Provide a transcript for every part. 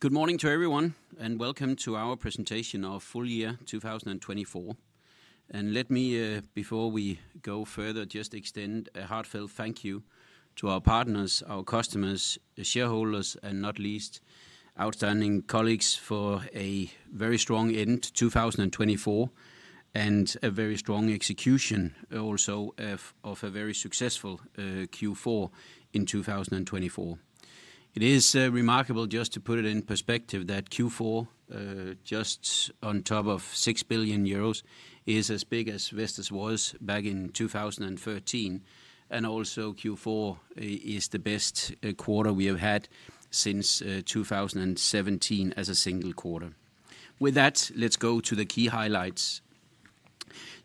Good morning to everyone, and welcome to our presentation of full year 2024. Let me, before we go further, just extend a heartfelt thank you to our partners, our customers, shareholders, and not least, outstanding colleagues for a very strong end to 2024 and a very strong execution also of a very successful Q4 in 2024. It is remarkable, just to put it in perspective, that Q4, just on top of €6 billion, is as big as Vestas was back in 2013. Also, Q4 is the best quarter we have had since 2017 as a single quarter. With that, let's go to the key highlights.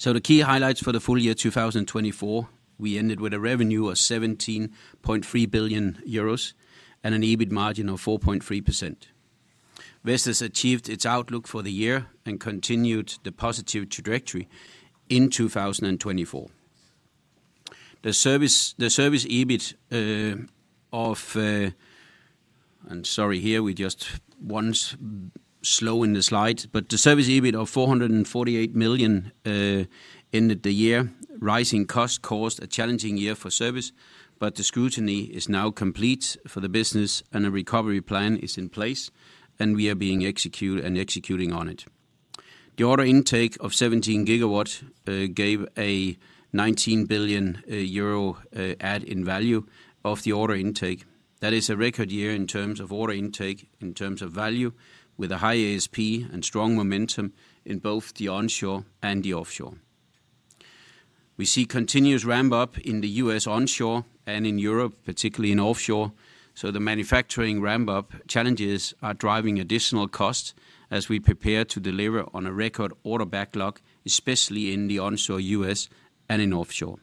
The key highlights for the full year 2024: we ended with a revenue of €17.3 billion and an EBIT margin of 4.3%. Vestas achieved its outlook for the year and continued the positive trajectory in 2024. The service EBIT of € 448 million ended the year. Rising costs caused a challenging year for service, but the scrutiny is now complete for the business, and a recovery plan is in place, and we are executing on it. The order intake of 17 GW gave a € 19 billion added value of the order intake. That is a record year in terms of order intake, in terms of value, with a high ASP and strong momentum in both the onshore and the offshore. We see continuous ramp-up in the U.S. onshore and in Europe, particularly in offshore. The manufacturing ramp-up challenges are driving additional costs as we prepare to deliver on a record order backlog, especially in the onshore U.S. and in offshore.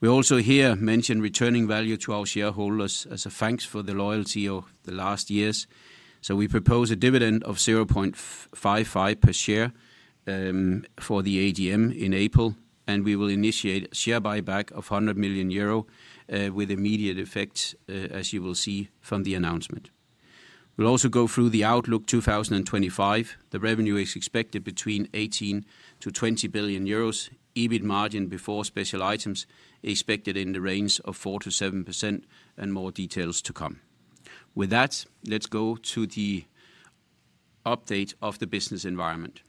We also here mention returning value to our shareholders as a thanks for the loyalty of the last years. So, we propose a dividend of 0.55 per share for the AGM in April, and we will initiate a share buyback of € 100 million with immediate effects, as you will see from the announcement. We'll also go through the outlook 2025. The revenue is expected between € 18-€ 20 billion. EBIT margin before special items is expected in the range of 4-7% and more details to come. With that, let's go to the update of the business environment.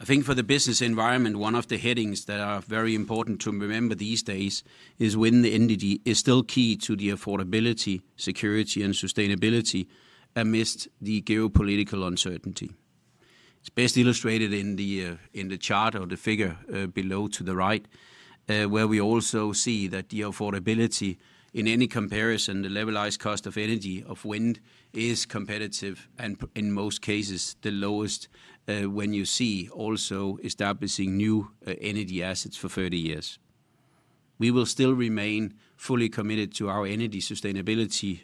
I think for the business environment, one of the headings that are very important to remember these days is wind energy is still key to the affordability, security, and sustainability amidst the geopolitical uncertainty. It's best illustrated in the chart or the figure below to the right, where we also see that the affordability, in any comparison, the levelized cost of energy of wind is competitive and, in most cases, the lowest when you see also establishing new energy assets for 30 years. We will still remain fully committed to our energy sustainability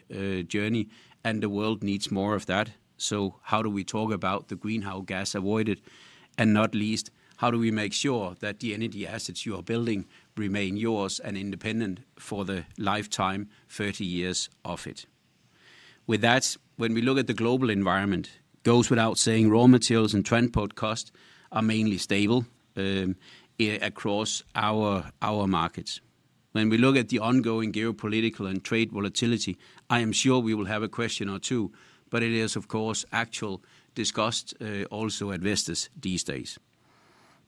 journey, and the world needs more of that, so how do we talk about the greenhouse gas avoided, and not least, how do we make sure that the energy assets you are building remain yours and independent for the lifetime 30 years of it? With that, when we look at the global environment, it goes without saying raw materials and transport costs are mainly stable across our markets. When we look at the ongoing geopolitical and trade volatility, I am sure we will have a question or two, but it is, of course, actually discussed also at Vestas these days.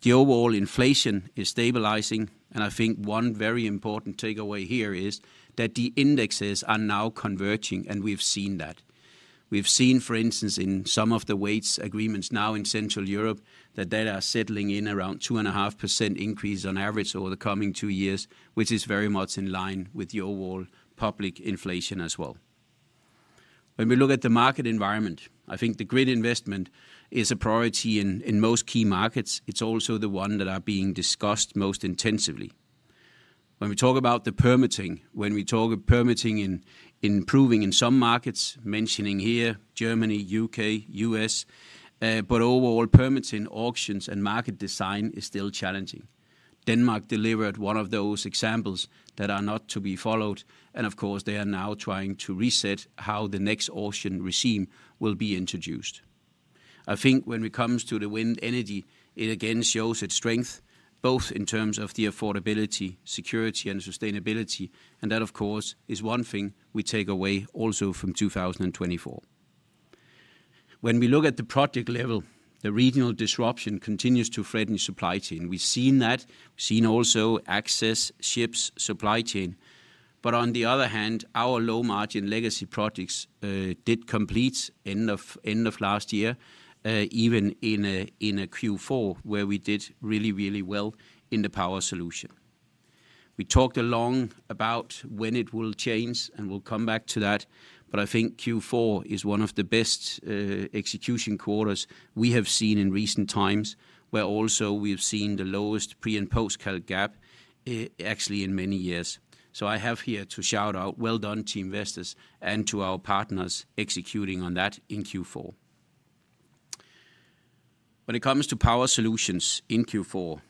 The overall inflation is stabilizing, and I think one very important takeaway here is that the indexes are now converging, and we've seen that. We've seen, for instance, in some of the wage agreements now in Central Europe that they are settling in around 2.5% increase on average over the coming two years, which is very much in line with the overall published inflation as well. When we look at the market environment, I think the grid investment is a priority in most key markets. It's also the one that is being discussed most intensively. When we talk about the permitting, when we talk of permitting improving in some markets, mentioning here Germany, UK, US, but overall permitting, auctions, and market design is still challenging. Denmark delivered one of those examples that are not to be followed, and of course, they are now trying to reset how the next auction regime will be introduced. I think when it comes to the wind energy, it again shows its strength, both in terms of the affordability, security, and sustainability, and that, of course, is one thing we take away also from 2024. When we look at the project level, the regional disruption continues to threaten supply chain. We've seen that. We've seen also access ships supply chain, but on the other hand, our low-margin legacy projects did complete end of last year, even in a Q4 where we did really, really well in the Power Solutions. We talked a lot about when it will change, and we'll come back to that, but I think Q4 is one of the best execution quarters we have seen in recent times where also we've seen the lowest pre- and post-calc gap actually in many years. So, I have here to shout out, well done to Vestas and to our partners executing on that in Q4. When it comes to Power Solutions in Q4,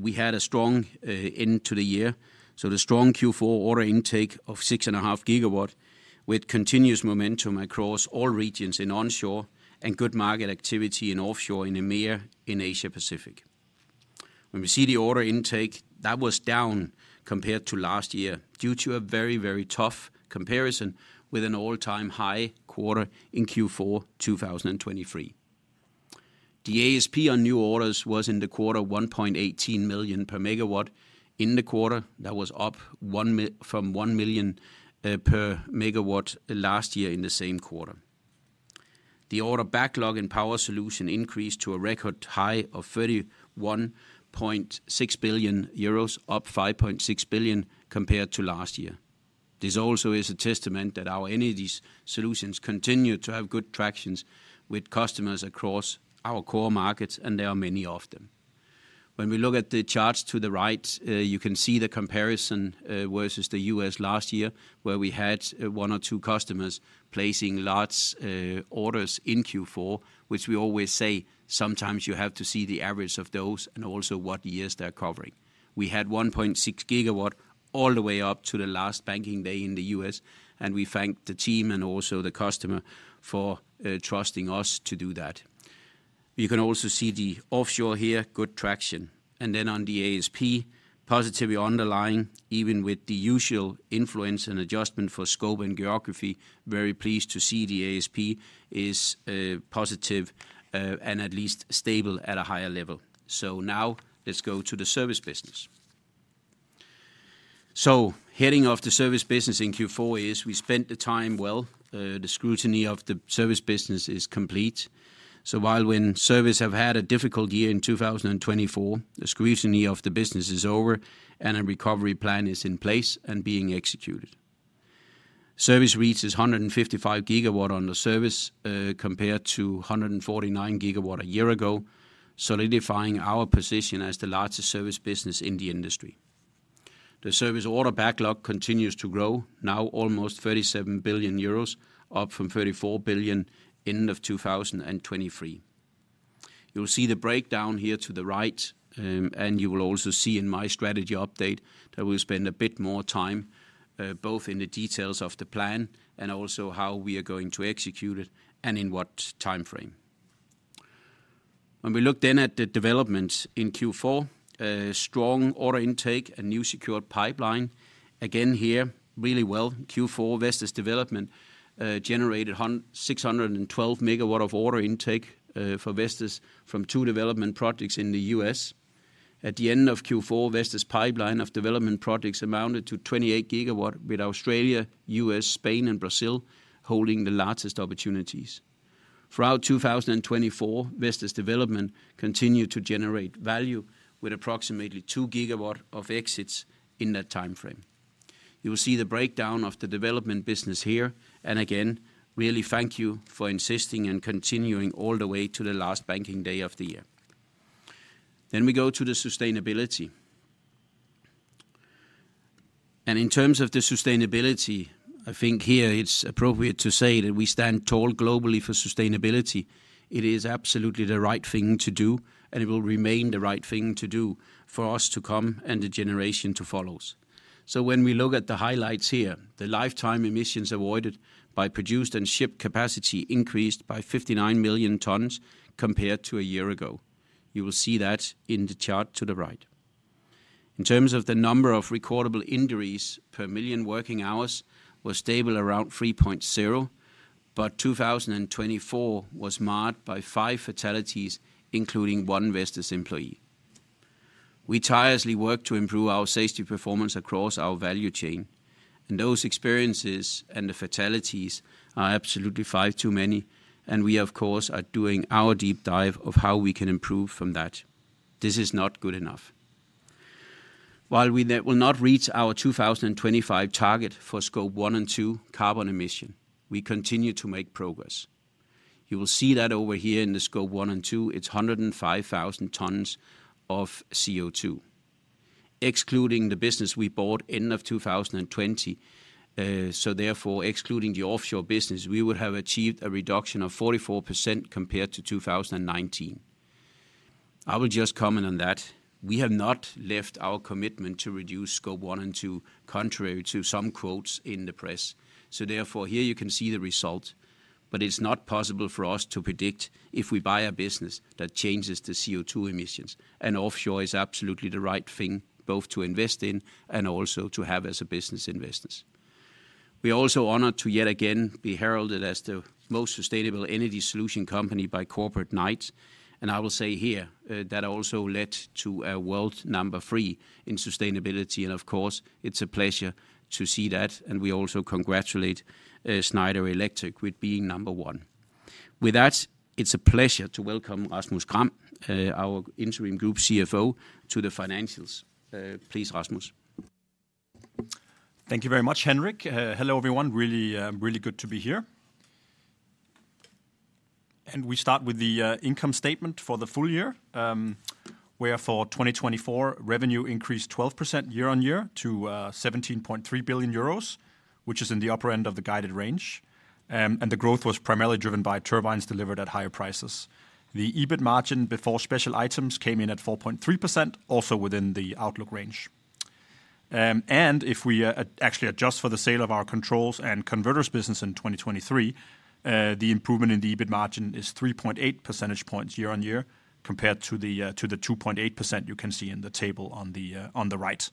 we had a strong end to the year. So, the strong Q4 order intake of 6.5 GW with continuous momentum across all regions in onshore and good market activity in offshore in EMEA in Asia Pacific. When we see the order intake, that was down compared to last year due to a very, very tough comparison with an all-time high quarter in Q4 2023. The ASP on new orders was in the quarter €1.18 million per megawatt in the quarter. That was up from € 1 million per megawatt last year in the same quarter. The order backlog in Power Solutions increased to a record high of € 31.6 billion, up € 5.6 billion compared to last year. This also is a testament that our energy solutions continue to have good traction with customers across our core markets, and there are many of them. When we look at the charts to the right, you can see the comparison versus the US last year where we had one or two customers placing large orders in Q4, which we always say sometimes you have to see the average of those and also what years they're covering. We had 1.6 gigawatts all the way up to the last banking day in the U.S., and we thank the team and also the customer for trusting us to do that. You can also see the offshore here, good traction, and then on the ASP, positively underlying, even with the usual influence and adjustment for scope and geography. Very pleased to see the ASP is positive and at least stable at a higher level. Now let's go to the service business. The heading of the service business in Q4 is we spent the time well. The scrutiny of the service business is complete. While when service have had a difficult year in 2024, the scrutiny of the business is over and a recovery plan is in place and being executed. Service reaches 155 GW on the service compared to 149 GW a year ago, solidifying our position as the largest service business in the industry. The service order backlog continues to grow, now almost 37 billion euros, up from 34 billion end of 2023. You'll see the breakdown here to the right, and you will also see in my strategy update that we'll spend a bit more time both in the details of the plan and also how we are going to execute it and in what time frame. When we look then at the developments in Q4, strong order intake and new secured pipeline. Again here, really well. Q4 Vestas development generated 612 megawatts of order intake for Vestas from two development projects in the U.S. At the end of Q4, Vestas pipeline of development projects amounted to 28 GW with Australia, U.S., Spain, and Brazil holding the largest opportunities. Throughout 2024, Vestas development continued to generate value with approximately 2 GW of exits in that time frame. You will see the breakdown of the development business here. And again, really thank you for insisting and continuing all the way to the last banking day of the year. Then we go to the sustainability. And in terms of the sustainability, I think here it's appropriate to say that we stand tall globally for sustainability. It is absolutely the right thing to do, and it will remain the right thing to do for us to come and the generation to follow. So, when we look at the highlights here, the lifetime emissions avoided by produced and shipped capacity increased by 59 million tons compared to a year ago. You will see that in the chart to the right. In terms of the number of recordable injuries per million working hours, it was stable around 3.0, but 2024 was marred by five fatalities, including one Vestas employee. We tirelessly work to improve our safety performance across our value chain, and those experiences and the fatalities are absolutely far too many, and we, of course, are doing our deep dive of how we can improve from that. This is not good enough. While we will not reach our 2025 target for Scope 1 and 2 carbon emission, we continue to make progress. You will see that over here in the Scope 1 and 2, it's 105,000 tons of CO2. Excluding the business we bought end of 2020, so therefore excluding the offshore business, we would have achieved a reduction of 44% compared to 2019. I will just comment on that. We have not left our commitment to reduce Scope 1 and 2 contrary to some quotes in the press. Therefore, here you can see the result, but it's not possible for us to predict if we buy a business that changes the CO2 emissions. Offshore is absolutely the right thing both to invest in and also to have as a business investment. We are also honored to yet again be heralded as the most sustainable energy solution company by Corporate Knights. I will say here that also led to a world number three in sustainability. Of course, it's a pleasure to see that. We also congratulate Schneider Electric with being number one. With that, it's a pleasure to welcome Rasmus Gram, our interim group CFO, to the financials. Please, Rasmus. Thank you very much, Henrik. Hello everyone. Really, really good to be here. We start with the income statement for the full year, where for 2024, revenue increased 12% year on year to €17.3 billion, which is in the upper end of the guided range. The growth was primarily driven by turbines delivered at higher prices. The EBIT margin before special items came in at 4.3%, also within the outlook range. If we actually adjust for the sale of our controls and converters business in 2023, the improvement in the EBIT margin is 3.8 percentage points year on year compared to the 2.8% you can see in the table on the right.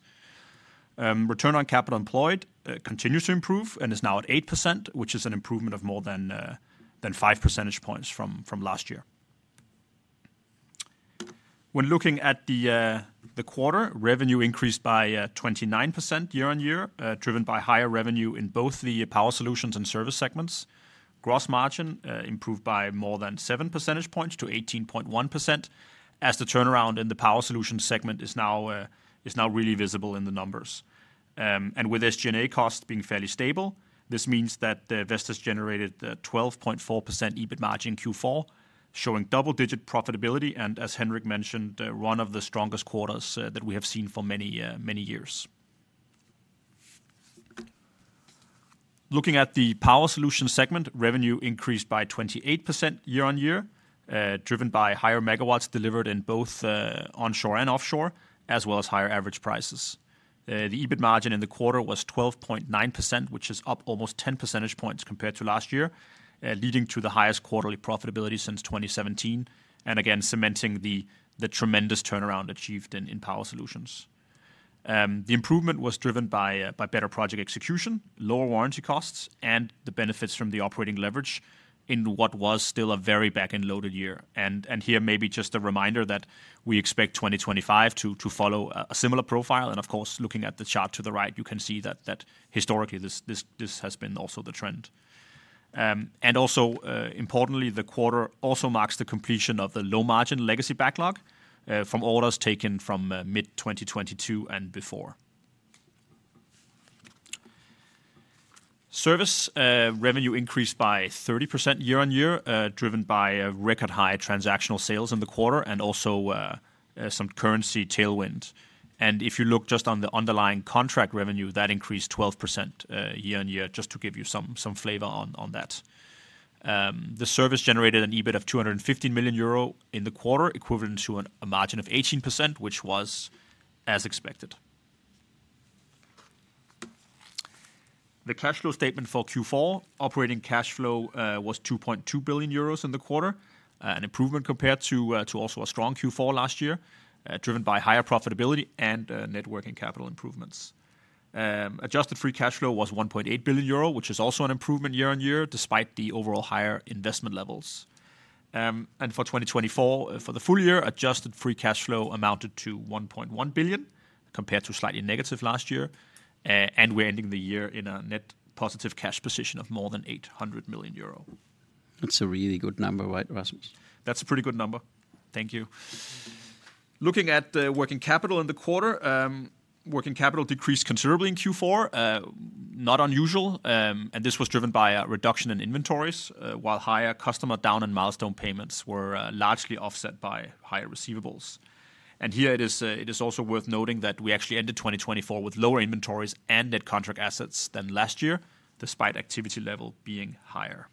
Return on capital employed continues to improve and is now at 8%, which is an improvement of more than 5 percentage points from last year. When looking at the quarter, revenue increased by 29% year-on-year, driven by higher revenue in both the Power Solutions and Service segments. Gross margin improved by more than 7 percentage points to 18.1%, as the turnaround in the Power Solution segment is now really visible in the numbers. And with SG&A costs being fairly stable, this means that Vestas generated a 12.4% EBIT margin Q4, showing double-digit profitability. And as Henrik mentioned, one of the strongest quarters that we have seen for many years. Looking at the Power Solution segment, revenue increased by 28% year-on-year, driven by higher megawatts delivered in both onshore and offshore, as well as higher average prices. The EBIT margin in the quarter was 12.9%, which is up almost 10 percentage points compared to last year, leading to the highest quarterly profitability since 2017. And again, cementing the tremendous turnaround achieved in Power Solutions. The improvement was driven by better project execution, lower warranty costs, and the benefits from the operating leverage in what was still a very back-end loaded year. And here, maybe just a reminder that we expect 2025 to follow a similar profile. And of course, looking at the chart to the right, you can see that historically this has been also the trend. And also importantly, the quarter also marks the completion of the low-margin legacy backlog from orders taken from mid-2022 and before. Service revenue increased by 30% year-on-year, driven by record-high transactional sales in the quarter and also some currency tailwind. And if you look just on the underlying contract revenue, that increased 12% year-on-year, just to give you some flavor on that. The service generated an EBIT of € 215 million in the quarter, equivalent to a margin of 18%, which was as expected. The cash flow statement for Q4, operating cash flow was € 2.2 billion in the quarter, an improvement compared to also a strong Q4 last year, driven by higher profitability and net working capital improvements. Adjusted free cash flow was € 1.8 billion, which is also an improvement year on year, despite the overall higher investment levels. And for 2024, for the full year, adjusted free cash flow amounted to € 1.1 billion, compared to slightly negative last year. And we're ending the year in a net positive cash position of more than € 800 million. That's a really good number, right, Rasmus? That's a pretty good number. Thank you. Looking at working capital in the quarter, working capital decreased considerably in Q4, not unusual. This was driven by a reduction in inventories, while higher customer down and milestone payments were largely offset by higher receivables. Here, it is also worth noting that we actually ended 2024 with lower inventories and net contract assets than last year, despite activity level being higher.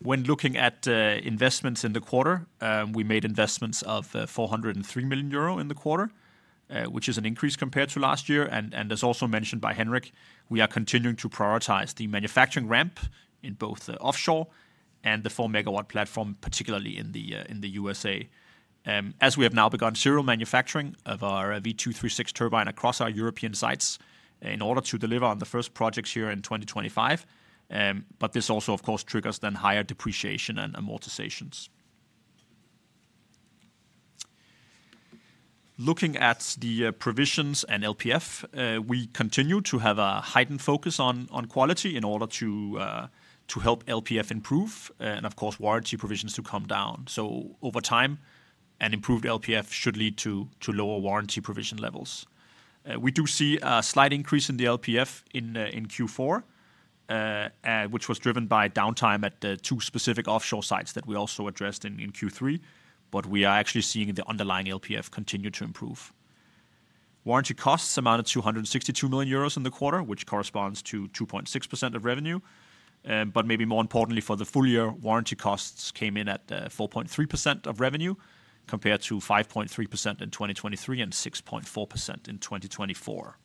When looking at investments in the quarter, we made investments of 403 million euro in the quarter, which is an increase compared to last year. As also mentioned by Henrik, we are continuing to prioritize the manufacturing ramp in both the offshore and the four-megawatt platform, particularly in the USA, as we have now begun serial manufacturing of our V236 turbine across our European sites in order to deliver on the first projects here in 2025. This also, of course, triggers then higher depreciation and amortizations. Looking at the provisions and LPF, we continue to have a heightened focus on quality in order to help LPF improve and, of course, warranty provisions to come down. So, over time, an improved LPF should lead to lower warranty provision levels. We do see a slight increase in the LPF in Q4, which was driven by downtime at two specific offshore sites that we also addressed in Q3. But we are actually seeing the underlying LPF continue to improve. Warranty costs amounted to € 162 million in the quarter, which corresponds to 2.6% of revenue. But maybe more importantly, for the full year, warranty costs came in at 4.3% of revenue compared to 5.3% in 2023 and 6.4% in 2024.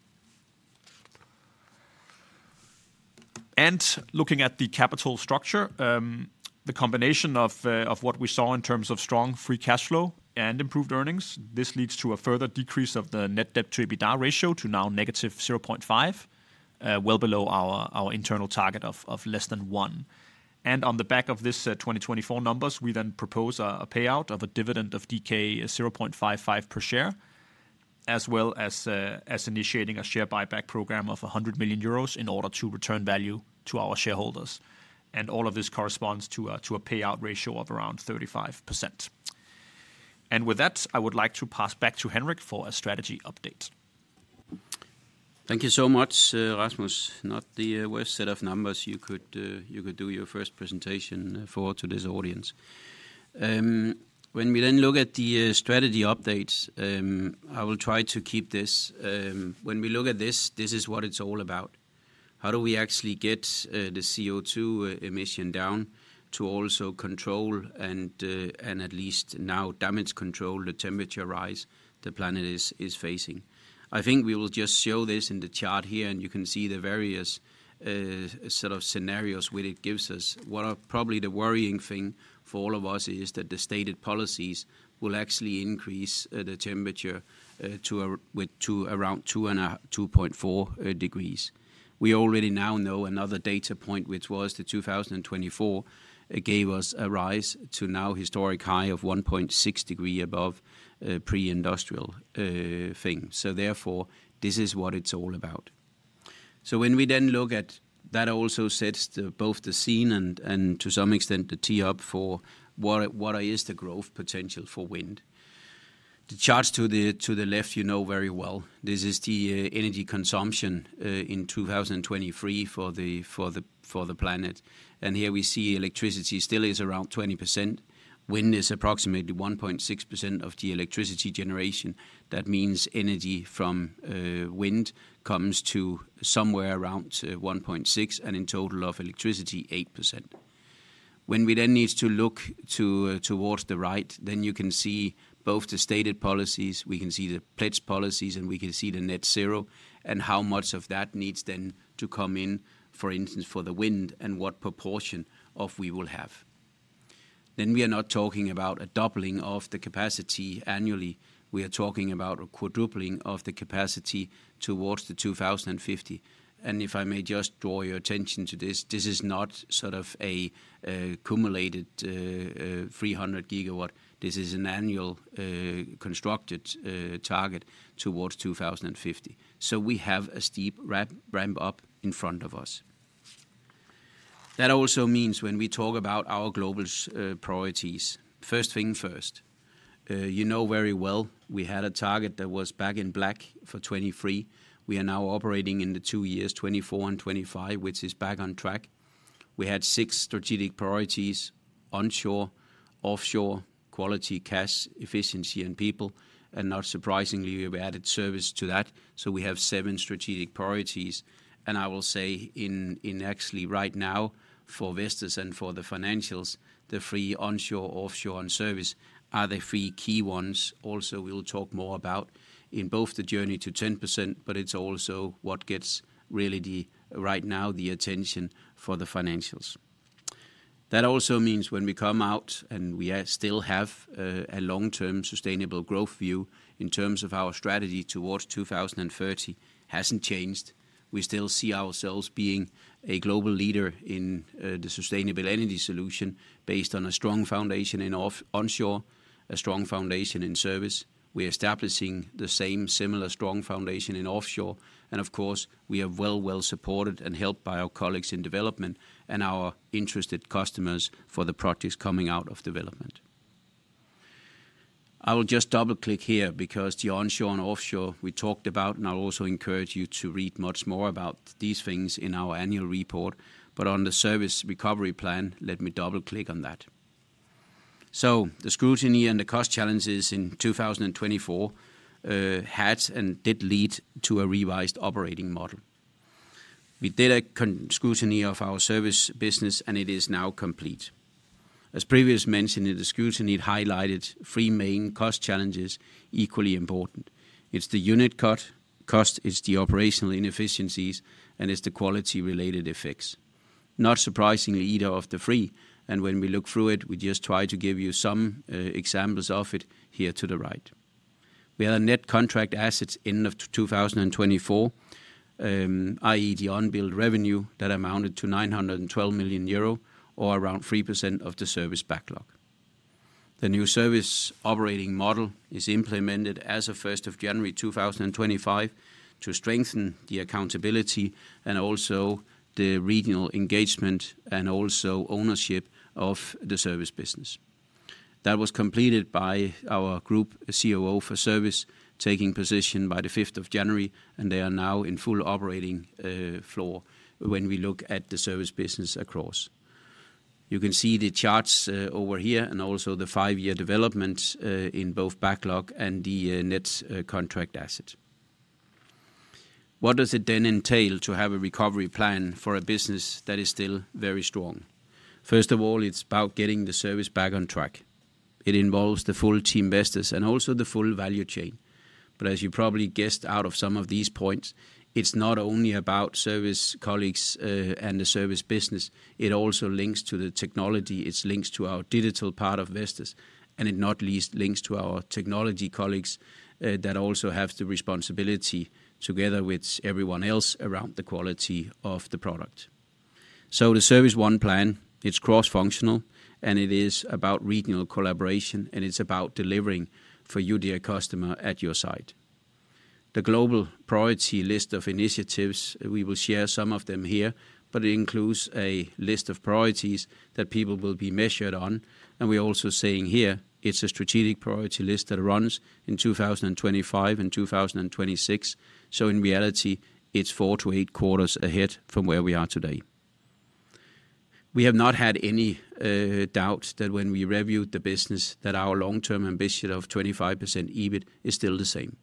Looking at the capital structure, the combination of what we saw in terms of strong free cash flow and improved earnings, this leads to a further decrease of the net debt to EBITDA ratio to now -0.5, well below our internal target of less than one. On the back of this 2024 numbers, we then propose a payout of a dividend of 0.55 per share, as well as initiating a share buyback program of 100 million euros in order to return value to our shareholders. All of this corresponds to a payout ratio of around 35%. With that, I would like to pass back to Henrik for a strategy update. Thank you so much, Rasmus. Not the worst set of numbers you could do your first presentation for to this audience. When we then look at the strategy updates, I will try to keep this. When we look at this, this is what it's all about. How do we actually get the CO2 emission down to also control and at least now damage control the temperature rise the planet is facing? I think we will just show this in the chart here, and you can see the various set of scenarios which it gives us. What are probably the worrying thing for all of us is that the stated policies will actually increase the temperature to around 2.4 degrees. We already now know another data point, which was the 2024, gave us a rise to now historic high of 1.6 degree above pre-industrial thing. So, therefore, this is what it's all about. So, when we then look at that, also sets both the scene and to some extent the tee up for what is the growth potential for wind. The charts to the left, you know very well. This is the energy consumption in 2023 for the planet. And here we see electricity still is around 20%. Wind is approximately 1.6% of the electricity generation. That means energy from wind comes to somewhere around 1.6% and in total of electricity, 8%. When we then need to look towards the right, then you can see both the stated policies, we can see the pledged policies, and we can see the net zero and how much of that needs then to come in, for instance, for the wind and what proportion of we will have. Then we are not talking about a doubling of the capacity annually. We are talking about a quadrupling of the capacity towards the 2050. And if I may just draw your attention to this, this is not sort of a cumulated 300 GW. This is an annual constructed target towards 2050. So, we have a steep ramp up in front of us. That also means when we talk about our global priorities, first thing first, you know very well we had a target that was back in black for 2023. We are now operating in the two years, 2024 and 2025, which is back on track. We had six strategic priorities: onshore, offshore, quality, cash, efficiency, and people. And not surprisingly, we added service to that. So, we have seven strategic priorities. And I will say in actually right now for Vestas and for the financials, the three onshore, offshore, and service are the three key ones. Also, we will talk more about in both the journey to 10%, but it's also what gets really right now the attention for the financials. That also means when we come out and we still have a long-term sustainable growth view in terms of our strategy towards 2030 hasn't changed. We still see ourselves being a global leader in the sustainable energy solution based on a strong foundation in onshore, a strong foundation in service. We are establishing the same similar strong foundation in offshore. And of course, we are well supported and helped by our colleagues in development and our interested customers for the projects coming out of development. I will just double-click here because the onshore and offshore we talked about, and I'll also encourage you to read much more about these things in our annual report. But on the service recovery plan, let me double-click on that. So, the scrutiny and the cost challenges in 2024 had and did lead to a revised operating model. We did a scrutiny of our service business, and it is now complete. As previously mentioned, the scrutiny highlighted three main cost challenges equally important. It's the unit cost, it's the operational inefficiencies, and it's the quality-related effects. Not surprisingly, either of the three. And when we look through it, we just try to give you some examples of it here to the right. We had a net contract assets end of 2024, i.e., the unbilled revenue that amounted to € 912 million or around 3% of the service backlog. The new service operating model is implemented as of 1st of January 2025 to strengthen the accountability and also the regional engagement and also ownership of the service business. That was completed by our Group COO for service taking position by the 5th of January, and they are now in full operating mode when we look at the service business across. You can see the charts over here and also the five-year development in both backlog and the net contract asset. What does it then entail to have a recovery plan for a business that is still very strong? First of all, it's about getting the service back on track. It involves the full team Vestas and also the full value chain. But as you probably guessed out of some of these points, it's not only about service colleagues and the service business. It also links to the technology. It links to our digital part of Vestas, and it not least links to our technology colleagues that also have the responsibility together with everyone else around the quality of the product. So, the ServiceOne plan, it's cross-functional, and it is about regional collaboration, and it's about delivering for you, dear customer, at your site. The global priority list of initiatives, we will share some of them here, but it includes a list of priorities that people will be measured on. We're also saying here, it's a strategic priority list that runs in 2025 and 2026. In reality, it's four to eight quarters ahead from where we are today. We have not had any doubt that when we reviewed the business, that our long-term ambition of 25% EBIT is still the same.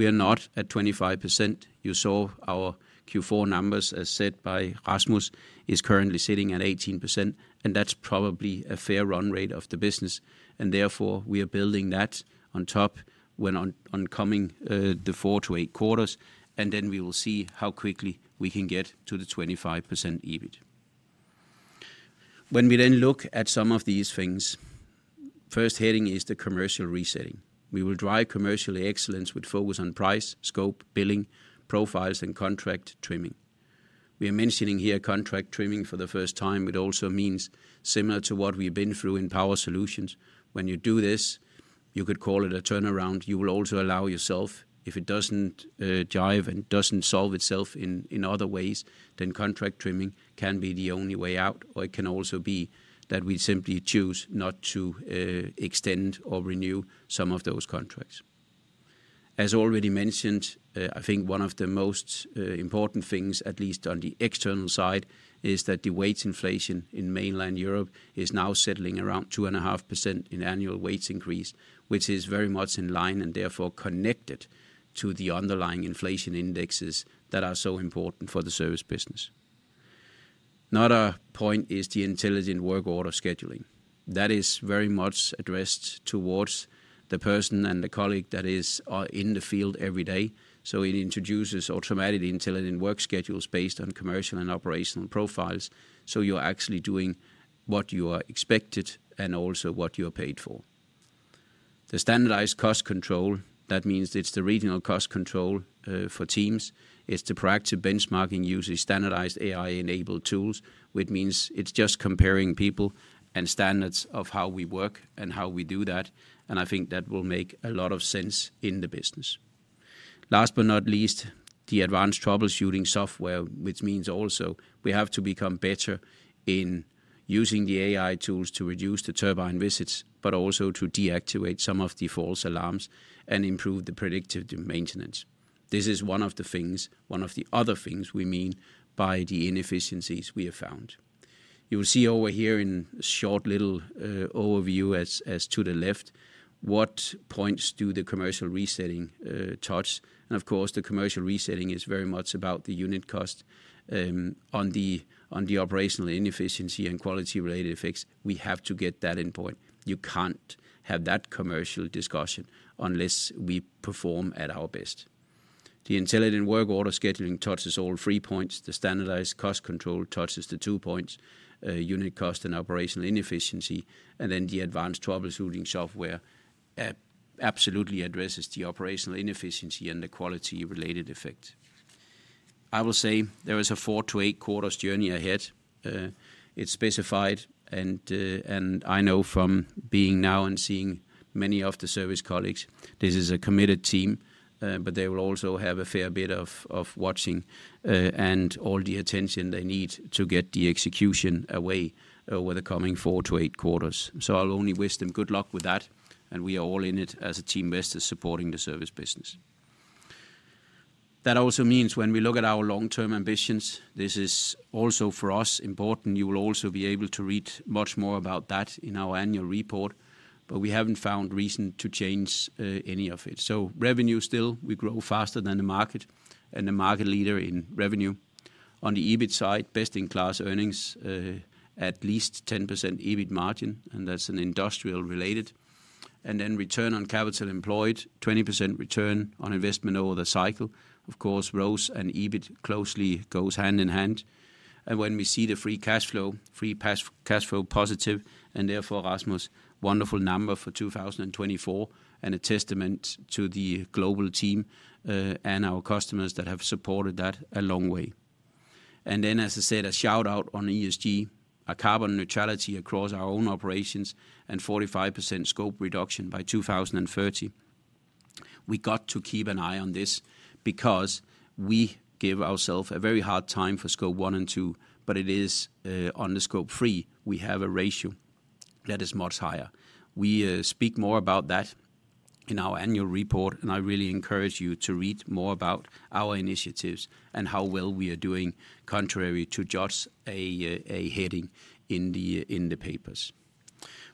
We are not at 25%. You saw our Q4 numbers as said by Rasmus, is currently sitting at 18%, and that's probably a fair run rate of the business. Therefore, we are building that on top when oncoming the four to eight quarters, and then we will see how quickly we can get to the 25% EBIT. When we then look at some of these things, first heading is the commercial resetting. We will drive commercial excellence with focus on price, scope, billing, profiles, and contract trimming. We are mentioning here contract trimming for the first time, which also means similar to what we've been through in power solutions. When you do this, you could call it a turnaround. You will also allow yourself, if it doesn't jive and doesn't solve itself in other ways, then contract trimming can be the only way out, or it can also be that we simply choose not to extend or renew some of those contracts. As already mentioned, I think one of the most important things, at least on the external side, is that the wage inflation in Mainland Europe is now settling around 2.5% in annual wage increase, which is very much in line and therefore connected to the underlying inflation indexes that are so important for the service business. Another point is the intelligent work order scheduling. That is very much addressed towards the person and the colleague that is in the field every day. So, it introduces automatically intelligent work schedules based on commercial and operational profiles. So, you're actually doing what you are expected and also what you are paid for. The standardized cost control, that means it's the regional cost control for teams. It's the proactive benchmarking using standardized AI-enabled tools, which means it's just comparing people and standards of how we work and how we do that. I think that will make a lot of sense in the business. Last but not least, the advanced troubleshooting software, which means also we have to become better in using the AI tools to reduce the turbine visits, but also to deactivate some of the false alarms and improve the predictive maintenance. This is one of the things, one of the other things we mean by the inefficiencies we have found. You will see over here in a short little overview as to the left, what points do the commercial resetting touch. And of course, the commercial resetting is very much about the unit cost. On the operational inefficiency and quality-related effects, we have to get that in point. You can't have that commercial discussion unless we perform at our best. The intelligent work order scheduling touches all three points. The standardized cost control touches the two points, unit cost and operational inefficiency, and then the advanced troubleshooting software absolutely addresses the operational inefficiency and the quality-related effect. I will say there is a four-to-eight quarters journey ahead. It's specified, and I know from being now and seeing many of the service colleagues, this is a committed team, but they will also have a fair bit of watching and all the attention they need to get the execution away over the coming four-to-eight quarters, so I'll only wish them good luck with that, and we are all in it as a team Vestas supporting the service business. That also means when we look at our long-term ambitions, this is also for us important. You will also be able to read much more about that in our annual report, but we haven't found reason to change any of it. So, revenue still, we grow faster than the market and the market leader in revenue. On the EBIT side, best in class earnings at least 10% EBIT margin, and that's an industrial related. And then return on capital employed, 20% return on investment over the cycle. Of course, ROCE and EBIT closely go hand in hand. And when we see the free cash flow, free cash flow positive, and therefore, Rasmus, wonderful number for 2024 and a testament to the global team and our customers that have supported that a long way. And then, as I said, a shout out on ESG, a carbon neutrality across our own operations and 45% scope reduction by 2030. We got to keep an eye on this because we give ourselves a very hard time for Scope 1 and 2, but it is on the Scope 3. We have a ratio that is much higher. We speak more about that in our annual report, and I really encourage you to read more about our initiatives and how well we are doing contrary to just a heading in the papers.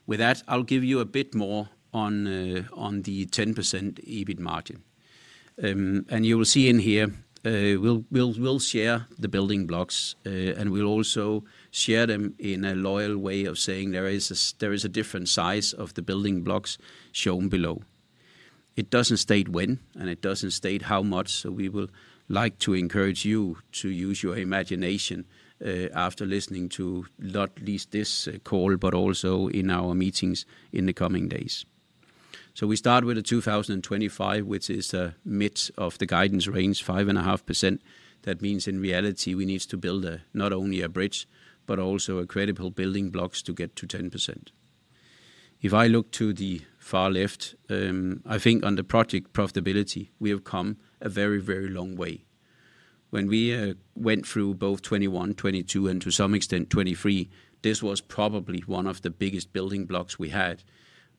With that, I'll give you a bit more on the 10% EBIT margin, and you will see in here, we'll share the building blocks, and we'll also share them in a loyal way of saying there is a different size of the building blocks shown below. It doesn't state when, and it doesn't state how much. So, we would like to encourage you to use your imagination after listening to not least this call, but also in our meetings in the coming days. So, we start with the 2025, which is a mid of the guidance range, 5.5%. That means in reality, we need to build not only a bridge, but also a credible building blocks to get to 10%. If I look to the far left, I think on the project profitability, we have come a very, very long way. When we went through both 2021, 2022, and to some extent 2023, this was probably one of the biggest building blocks we had.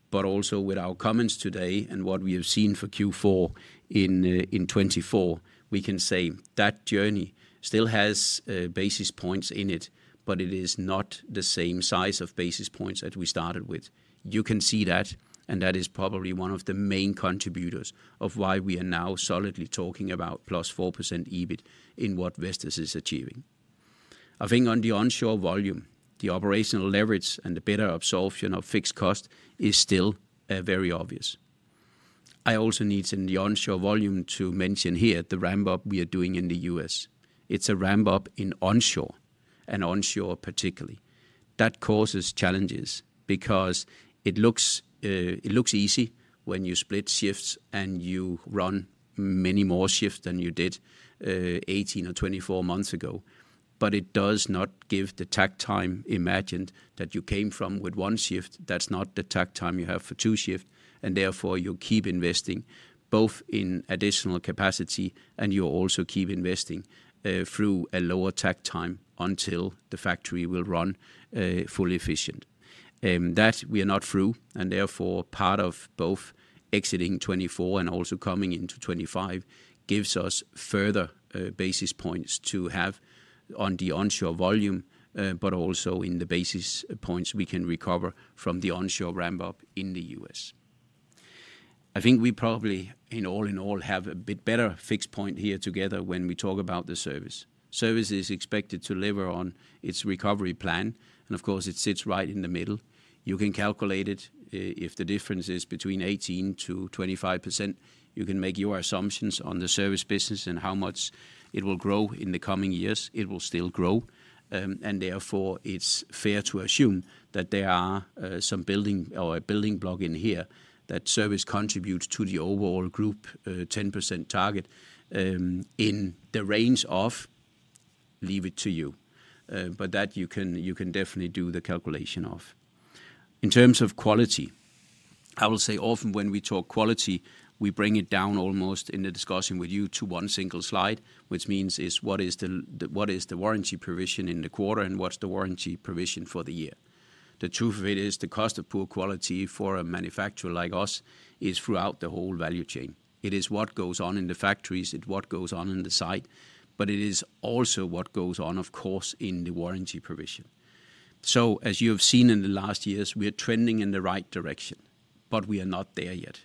But also with our comments today and what we have seen for Q4 in 2024, we can say that journey still has basis points in it, but it is not the same size of basis points that we started with. You can see that, and that is probably one of the main contributors of why we are now solidly talking about plus 4% EBIT in what Vestas is achieving. I think on the onshore volume, the operational leverage and the better absorption of fixed cost is still very obvious. I also need in the onshore volume to mention here the ramp-up we are doing in the US. It's a ramp-up in onshore, and onshore particularly. That causes challenges because it looks easy when you split shifts and you run many more shifts than you did 18 or 24 months ago. But it does not give the Takt time imagined that you came from with one shift. That's not the Takt time you have for two shifts. And therefore, you keep investing both in additional capacity, and you also keep investing through a lower Takt time until the factory will run fully efficient. That we are not through, and therefore part of both exiting 2024 and also coming into 2025 gives us further basis points to have on the onshore volume, but also in the basis points we can recover from the onshore ramp-up in the U.S. I think we probably, all in all, have a bit better fixed point here together when we talk about the service. Service is expected to live on its recovery plan, and of course, it sits right in the middle. You can calculate it. If the difference is between 18%-25%, you can make your assumptions on the service business and how much it will grow in the coming years. It will still grow, and therefore it's fair to assume that there are some building or a building block in here that service contributes to the overall group 10% target in the range of, leave it to you, but that you can definitely do the calculation of. In terms of quality, I will say often when we talk quality, we bring it down almost in the discussion with you to one single slide, which means is what is the warranty provision in the quarter and what's the warranty provision for the year. The truth of it is the cost of poor quality for a manufacturer like us is throughout the whole value chain. It is what goes on in the factories, what goes on in the site, but it is also what goes on, of course, in the warranty provision. As you have seen in the last years, we are trending in the right direction, but we are not there yet.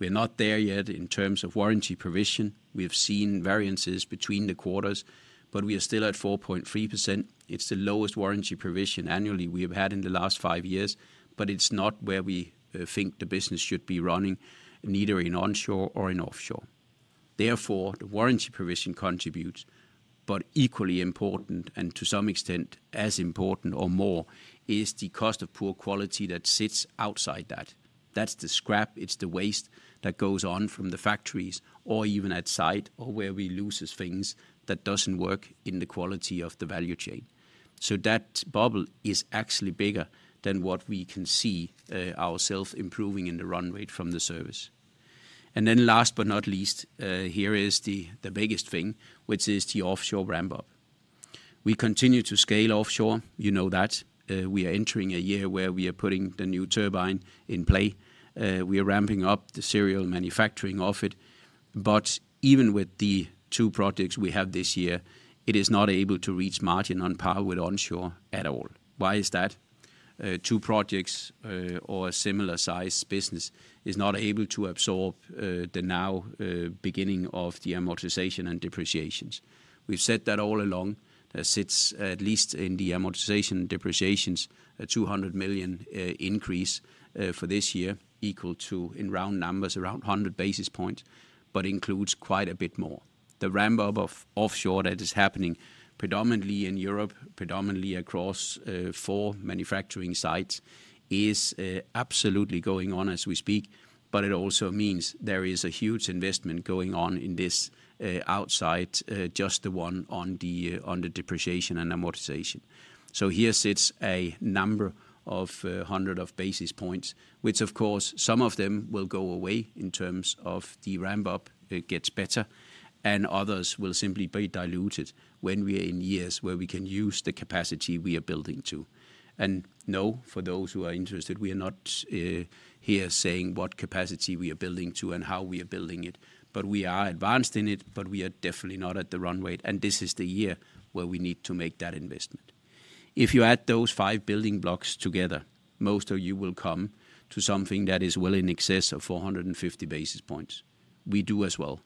We are not there yet in terms of warranty provision. We have seen variances between the quarters, but we are still at 4.3%. It's the lowest warranty provision annually we have had in the last five years, but it's not where we think the business should be running, neither in onshore or in offshore. Therefore, the warranty provision contributes, but equally important and to some extent as important or more is the cost of poor quality that sits outside that. That's the scrap. It's the waste that goes on from the factories or even at site or where we lose things that doesn't work in the quality of the value chain. So that bubble is actually bigger than what we can see ourselves improving in the run rate from the service. And then last but not least, here is the biggest thing, which is the offshore ramp-up. We continue to scale offshore. You know that. We are entering a year where we are putting the new turbine in play. We are ramping up the serial manufacturing of it. But even with the two projects we have this year, it is not able to reach margin on power with onshore at all. Why is that? Two projects or a similar size business is not able to absorb the now beginning of the amortization and depreciations. We've said that all along. There sits at least in the amortization and depreciations, a 200 million increase for this year, equal to in round numbers, around 100 basis points, but includes quite a bit more. The ramp-up of offshore that is happening predominantly in Europe, predominantly across four manufacturing sites, is absolutely going on as we speak, but it also means there is a huge investment going on at this outset, just the one on the depreciation and amortization. So here sits a number of hundreds of basis points, which of course, some of them will go away in terms of the ramp-up. It gets better, and others will simply be diluted when we are in years where we can use the capacity we are building to. And no, for those who are interested, we are not here saying what capacity we are building to and how we are building it, but we are advanced in it, but we are definitely not at the run rate. And this is the year where we need to make that investment. If you add those five building blocks together, most of you will come to something that is well in excess of 450 basis points. We do as well.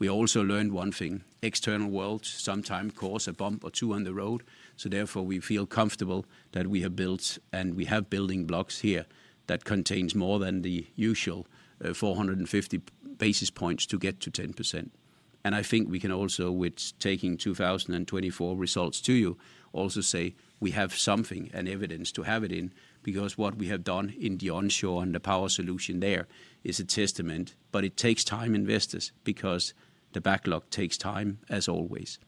We also learned one thing. External worlds sometimes cause a bump or two on the road. So therefore, we feel comfortable that we have built and we have building blocks here that contains more than the usual 450 basis points to get to 10%. And I think we can also, with taking 2024 results to you, also say we have something and evidence to have it in because what we have done in the Onshore and the Power Solutions there is a testament, but it takes time, investors, because the backlog takes time as always.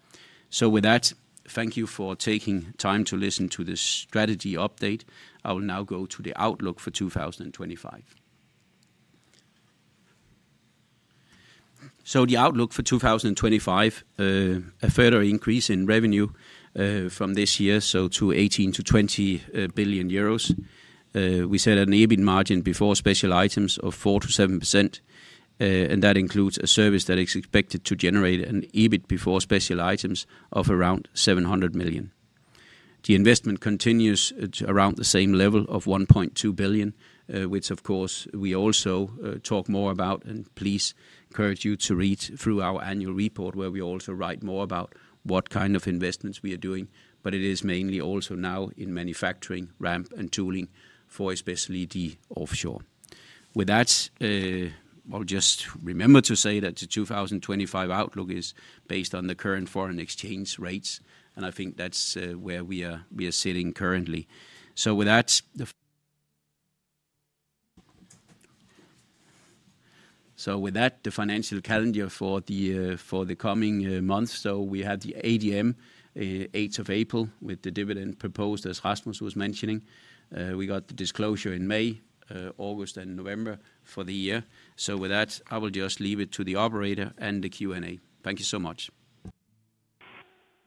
So with that, thank you for taking time to listen to the strategy update. I will now go to the outlook for 2025. So the outlook for 2025, a further increase in revenue from this year, so to 18 billion-20 billion euros. We said an EBIT margin before special items of 4%-7%, and that includes a service that is expected to generate an EBIT before special items of around 700 million. The investment continues to around the same level of 1.2 billion, which of course we also talk more about, and please encourage you to read through our annual report where we also write more about what kind of investments we are doing, but it is mainly also now in manufacturing, ramp, and tooling for especially the offshore. With that, I'll just remember to say that the 2025 outlook is based on the current foreign exchange rates, and I think that's where we are sitting currently. So with that, the financial calendar for the coming month. So we had the AGM, 8th of April, with the dividend proposed as Rasmus was mentioning. We got the disclosure in May, August, and November for the year. So with that, I will just leave it to the operator and the Q&A. Thank you so much.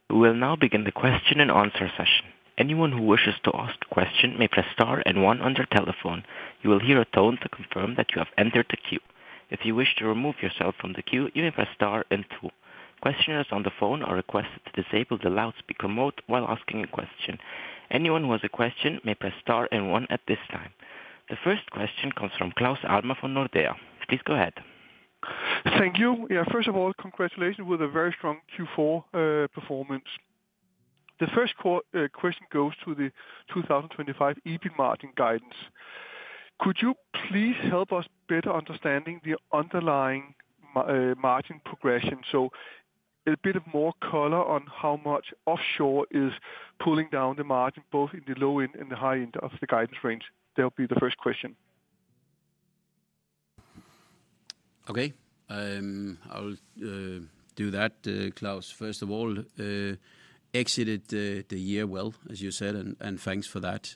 We will now begin the question and answer session. Anyone who wishes to ask a question may press star and one on their telephone. You will hear a tone to confirm that you have entered the queue. If you wish to remove yourself from the queue, you may press star and two. Questioners on the phone are requested to disable the loudspeaker mode while asking a question. Anyone who has a question may press star and one at this time. The first question comes from Claus Almer from Nordea. Please go ahead. Thank you. Yeah, first of all, congratulations with a very strong Q4 performance. The first question goes to the 2025 EBIT margin guidance. Could you please help us better understand the underlying margin progression? So a bit of more color on how much offshore is pulling down the margin, both in the low end and the high end of the guidance range. That will be the first question. Okay, I'll do that, Claus. First of all, exited the year well, as you said, and thanks for that.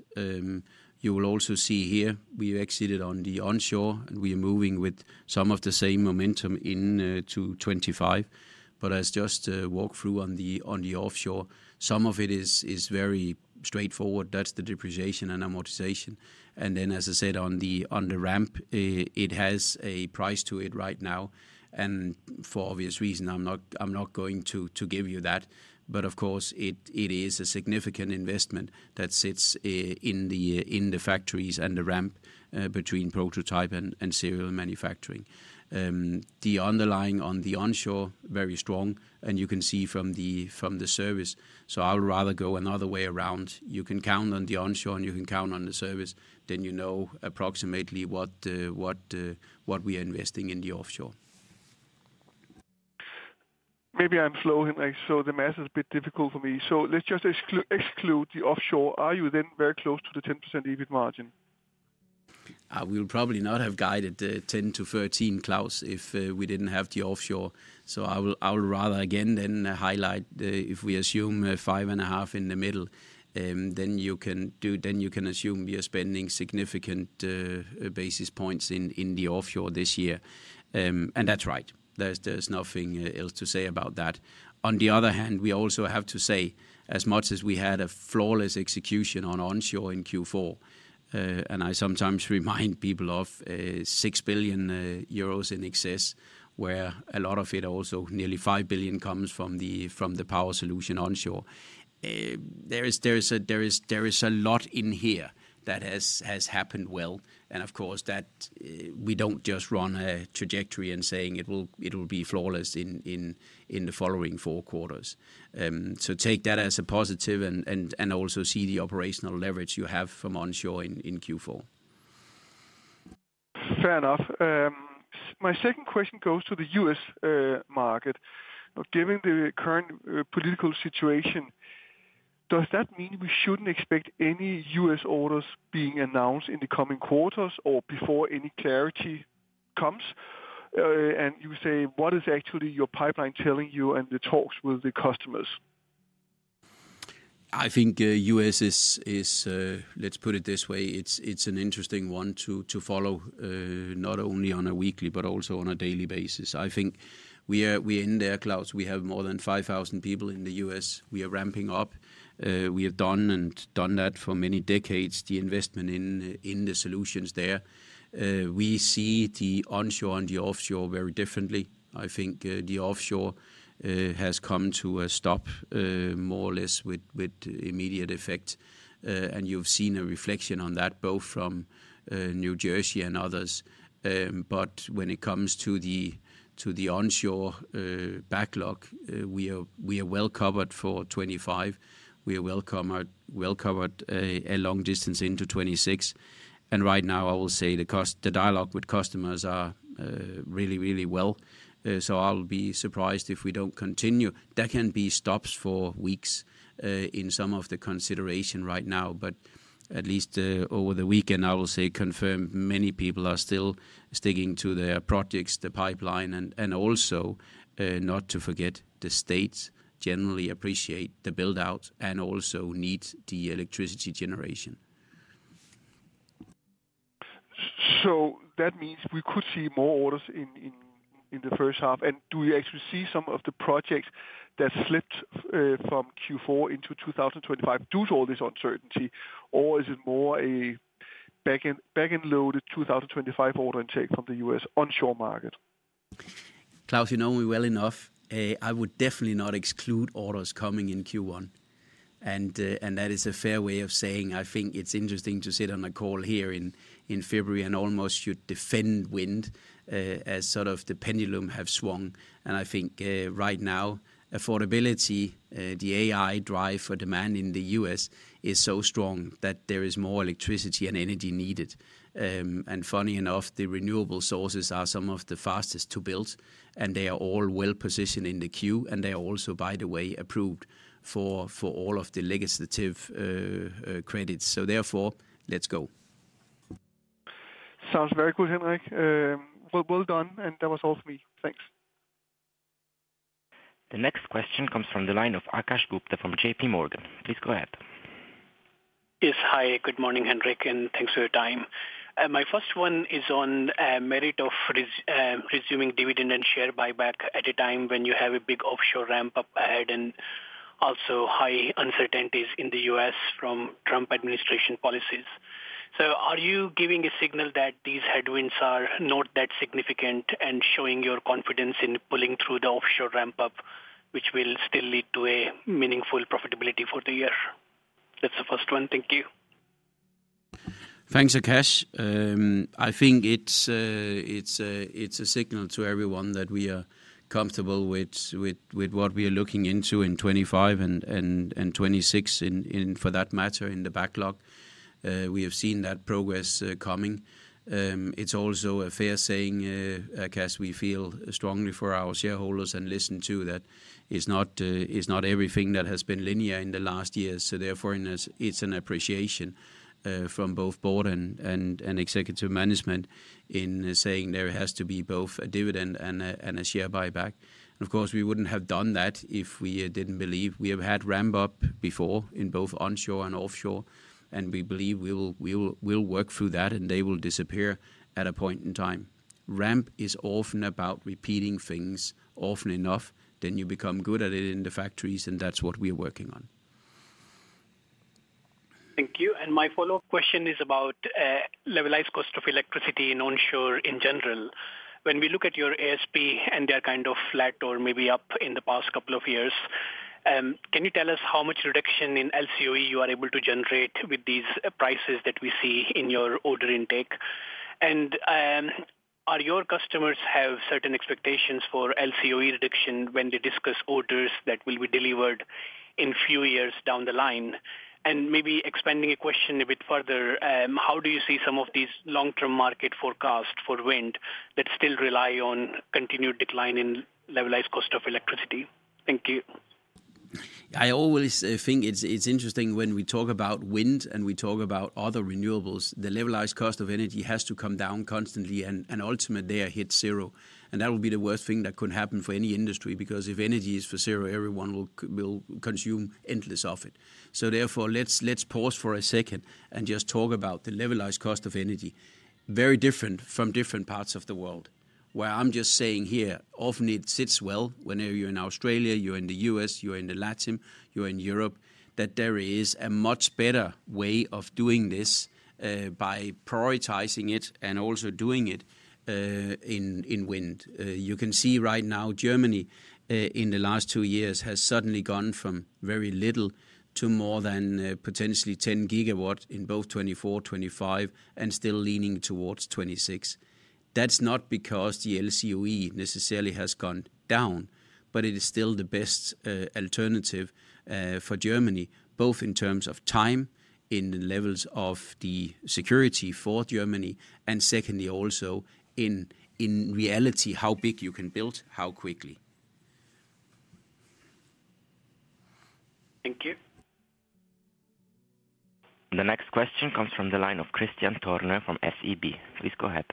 You will also see here we exited on the onshore and we are moving with some of the same momentum into 25. But as just walked through on the offshore, some of it is very straightforward. That's the depreciation and amortization. And then, as I said, on the ramp, it has a price to it right now. For obvious reasons, I'm not going to give you that. But of course, it is a significant investment that sits in the factories and the ramp between prototype and serial manufacturing. The underlying on the onshore, very strong, and you can see from the service. So I would rather go another way around. You can count on the onshore and you can count on the service, then you know approximately what we are investing in the offshore. Maybe I'm slow. I saw the math is a bit difficult for me. So let's just exclude the offshore. Are you then very close to the 10% EBIT margin? We will probably not have guided 10%-13%, Claus, if we didn't have the offshore. So I would rather again then highlight if we assume five and a half in the middle, then you can assume we are spending significant basis points in the offshore this year. And that's right. There's nothing else to say about that. On the other hand, we also have to say as much as we had a flawless execution on onshore in Q4, and I sometimes remind people of 6 billion euros in excess, where a lot of it, also nearly 5 billion, comes from the Power Solutions onshore. There is a lot in here that has happened well. And of course, that we don't just run a trajectory and say it will be flawless in the following four quarters. So take that as a positive and also see the operational leverage you have from onshore in Q4. Fair enough. My second question goes to the U.S. market. Given the current political situation, does that mean we shouldn't expect any U.S. orders being announced in the coming quarters or before any clarity comes? And you say, what is actually your pipeline telling you and the talks with the customers? I think U.S. is, let's put it this way, it's an interesting one to follow, not only on a weekly, but also on a daily basis. I think we are in there, Claus. We have more than 5,000 people in the U.S. We are ramping up. We have done that for many decades, the investment in the solutions there. We see the onshore and the offshore very differently. I think the offshore has come to a stop more or less with immediate effect. And you've seen a reflection on that, both from New Jersey and others. But when it comes to the onshore backlog, we are well covered for 2025. We are well covered a long distance into 2026. And right now, I will say the dialogue with customers are really, really well. So I'll be surprised if we don't continue. There can be stops for weeks in some of the consideration right now, but at least over the weekend, I will say confirm many people are still sticking to their projects, the pipeline, and also not to forget the states generally appreciate the buildout and also need the electricity generation. So that means we could see more orders in the first half. And do you actually see some of the projects that slipped from Q4 into 2025 due to all this uncertainty, or is it more a back-and-loaded 2025 order intake from the U.S. onshore market? Claus, you know me well enough. I would definitely not exclude orders coming in Q1. And that is a fair way of saying I think it's interesting to sit on a call here in February and almost should defend wind as sort of the pendulum has swung. And I think right now, affordability, the AI drive for demand in the US is so strong that there is more electricity and energy needed. And funny enough, the renewable sources are some of the fastest to build, and they are all well positioned in the queue. And they are also, by the way, approved for all of the legislative credits. So therefore, let's go. Sounds very good, Henrik. Well done. And that was all for me. Thanks. The next question comes from the line of Akash Gupta Gupta from JP Morgan. Please go ahead. Yes, hi. Good morning, Henrik, and thanks for your time. My first one is on merit of resuming dividend and share buyback at a time when you have a big offshore ramp-up ahead and also high uncertainties in the U.S. from Trump administration policies. So are you giving a signal that these headwinds are not that significant and showing your confidence in pulling through the offshore ramp-up, which will still lead to a meaningful profitability for the year? That's the first one. Thank you. Thanks, Akash. I think it's a signal to everyone that we are comfortable with what we are looking into in 2025 and 2026 for that matter in the backlog. We have seen that progress coming. It's also a fair saying, Akash, we feel strongly for our shareholders and listen to that it's not everything that has been linear in the last years. So therefore, it's an appreciation from both board and executive management in saying there has to be both a dividend and a share buyback. And of course, we wouldn't have done that if we didn't believe. We have had ramp-up before in both onshore and offshore, and we believe we will work through that, and they will disappear at a point in time. Ramp is often about repeating things often enough, then you become good at it in the factories, and that's what we are working on. Thank you. And my follow-up question is about levelized cost of electricity in onshore in general. When we look at your ASP and they're kind of flat or maybe up in the past couple of years, can you tell us how much reduction in LCOE you are able to generate with these prices that we see in your order intake? Are your customers have certain expectations for LCOE reduction when they discuss orders that will be delivered in a few years down the line? Maybe expanding a question a bit further, how do you see some of these long-term market forecasts for wind that still rely on continued decline in levelized cost of electricity? Thank you. I always think it's interesting when we talk about wind and we talk about other renewables, the levelized cost of energy has to come down constantly, and ultimately it hits zero. That will be the worst thing that could happen for any industry because if energy is for zero, everyone will consume endless of it. So therefore, let's pause for a second and just talk about the levelized cost of energy, very different from different parts of the world, where I'm just saying here, often it sits well whenever you're in Australia, you're in the US, you're in the Latam, you're in Europe, that there is a much better way of doing this by prioritizing it and also doing it in wind. You can see right now Germany in the last two years has suddenly gone from very little to more than potentially 10 GW in both 2024, 2025, and still leaning towards 2026. That's not because the LCOE necessarily has gone down, but it is still the best alternative for Germany, both in terms of time in the levels of the security for Germany and secondly also in reality, how big you can build, how quickly. Thank you. The next question comes from the line of Kristian Tornøe from SEB. Please go ahead.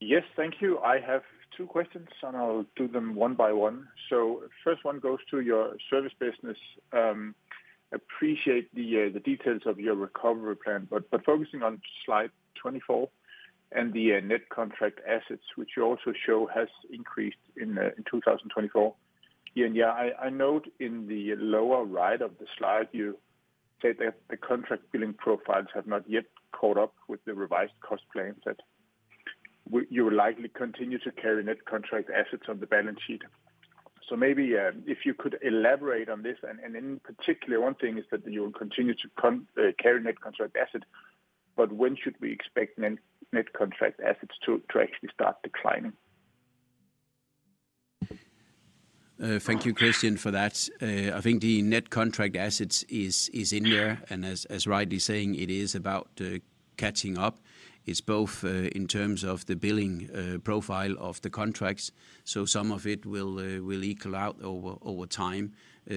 Yes, thank you. I have two questions, and I'll do them one by one. So first one goes to your service business. Appreciate the details of your recovery plan, but focusing on slide 24 and the net contract assets, which you also show has increased in 2024. And yeah, I note in the lower right of the slide, you said that the contract billing profiles have not yet caught up with the revised cost plan, that you will likely continue to carry net contract assets on the balance sheet. So maybe if you could elaborate on this, and in particular, one thing is that you will continue to carry net contract assets, but when should we expect net contract assets to actually start declining? Thank you, Kristian, for that. I think the net contract assets is in there, and as rightly saying, it is about catching up. It's both in terms of the billing profile of the contracts, so some of it will equal out over time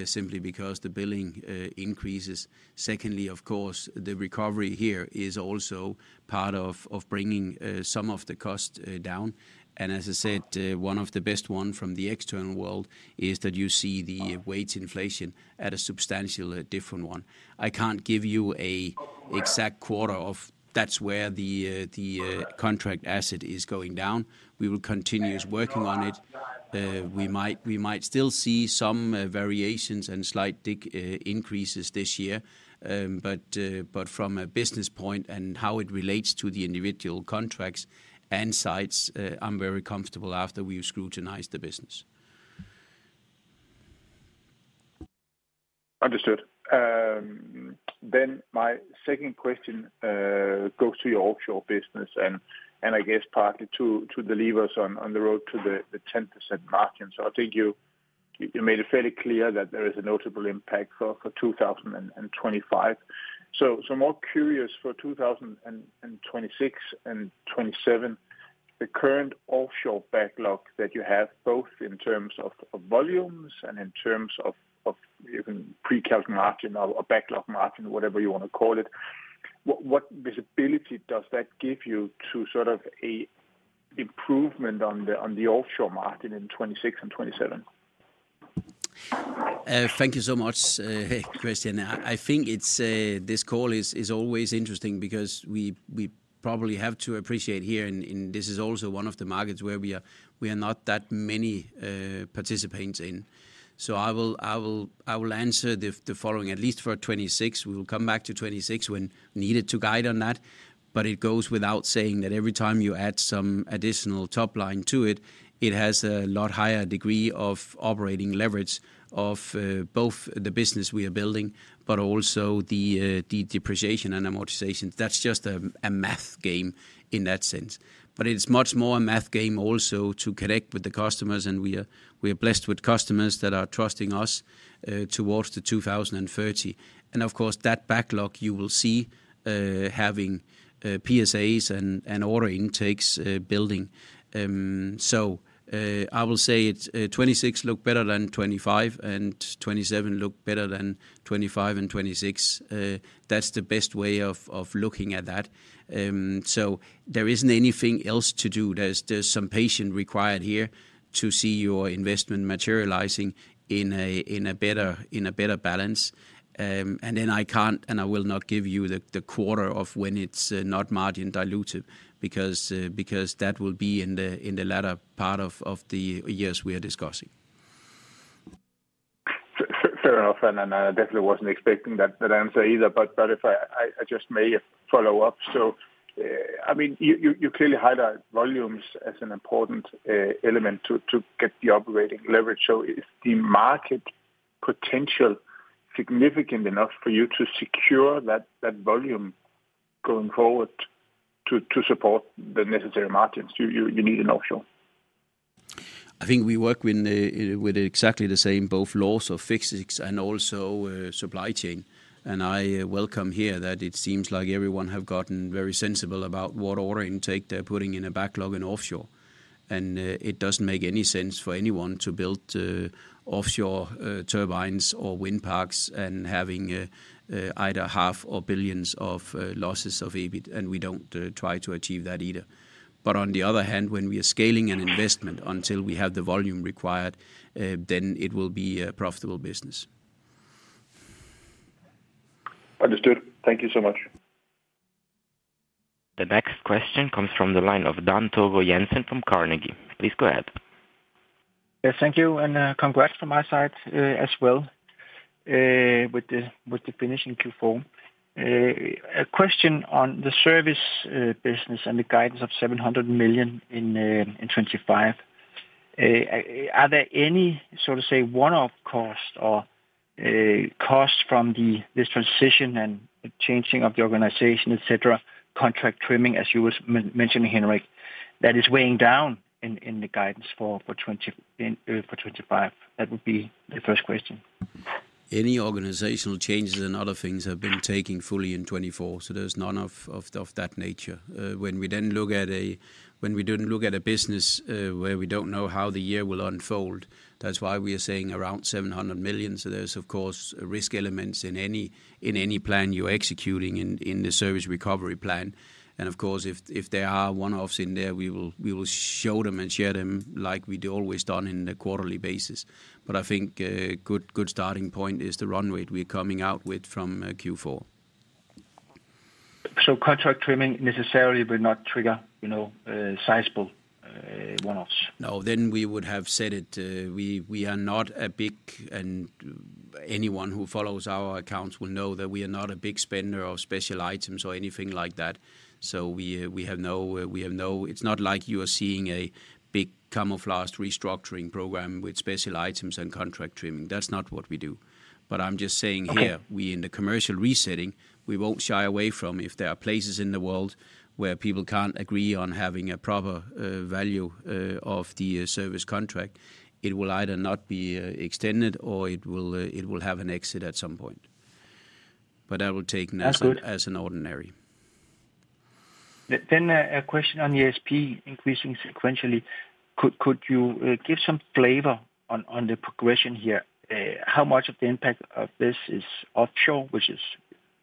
simply because the billing increases. Secondly, of course, the recovery here is also part of bringing some of the cost down, and as I said, one of the best ones from the external world is that you see the wage inflation at a substantially different one. I can't give you an exact quarter of that, that's where the contract asset is going down. We will continue working on it. We might still see some variations and slight increases this year, but from a business point and how it relates to the individual contracts and sites, I'm very comfortable after we've scrutinized the business. Understood. Then my second question goes to your offshore business and I guess partly to the levers on the road to the 10% margin. So I think you made it fairly clear that there is a notable impact for 2025. So I'm more curious for 2026 and 2027, the current offshore backlog that you have, both in terms of volumes and in terms of even pre-calculated margin or backlog margin, whatever you want to call it, what visibility does that give you to sort of an improvement on the offshore margin in 2026 and 2027? Thank you so much, Kristian. I think this call is always interesting because we probably have to appreciate here, and this is also one of the markets where we are not that many participants in. So I will answer the following, at least for 2026. We will come back to 2026 when needed to guide on that. But it goes without saying that every time you add some additional top line to it, it has a lot higher degree of operating leverage of both the business we are building, but also the depreciation and amortization. That's just a math game in that sense. But it's much more a math game also to connect with the customers, and we are blessed with customers that are trusting us towards the 2030. And of course, that backlog you will see having PSAs and order intakes building. So I will say 2026 look better than 2025, and 2027 look better than 2025 and 2026. That's the best way of looking at that. So there isn't anything else to do. There's some patience required here to see your investment materializing in a better balance. I can't and I will not give you the quarter of when it's not margin diluted because that will be in the latter part of the years we are discussing. Fair enough. I definitely wasn't expecting that answer either, but if I just may follow up. I mean, you clearly highlight volumes as an important element to get the operating leverage. Is the market potential significant enough for you to secure that volume going forward to support the necessary margins you need in offshore? I think we work with exactly the same both laws of physics and also supply chain. I welcome here that it seems like everyone has gotten very sensible about what order intake they're putting in a backlog in offshore. It doesn't make any sense for anyone to build offshore turbines or wind parks and having either EUR 500 million or billions of losses of EBIT. We don't try to achieve that either. But on the other hand, when we are scaling an investment until we have the volume required, then it will be a profitable business. Understood. Thank you so much. The next question comes from the line of Dan Togo Jensen from Carnegie. Please go ahead. Thank you. And congrats from my side as well with the finishing Q4. A question on the service business and the guidance of 700 million in 2025. Are there any sort of say one-off costs or costs from this transition and changing of the organization, etc., contract trimming, as you were mentioning, Henrik, that is weighing down in the guidance for 2025? That would be the first question. Any organizational changes and other things have been taken fully in 2024, so there's none of that nature. When we then look at a business where we don't know how the year will unfold, that's why we are saying around 700 million. There's, of course, risk elements in any plan you're executing in the service recovery plan. Of course, if there are one-offs in there, we will show them and share them like we've always done on a quarterly basis. I think a good starting point is the run rate we're coming out with from Q4. Contract trimming necessarily will not trigger sizable one-offs? No, then we would have said it. We are not big, and anyone who follows our accounts will know that we are not a big spender of special items or anything like that. So we have no, it's not like you are seeing a big camouflaged restructuring program with special items and contract trimming. That's not what we do. But I'm just saying here, in the commercial resetting, we won't shy away from if there are places in the world where people can't agree on having a proper value of the service contract. It will either not be extended or it will have an exit at some point. But that will take as an ordinary. Then a question on the ASP increasing sequentially. Could you give some flavor on the progression here? How much of the impact of this is offshore, which is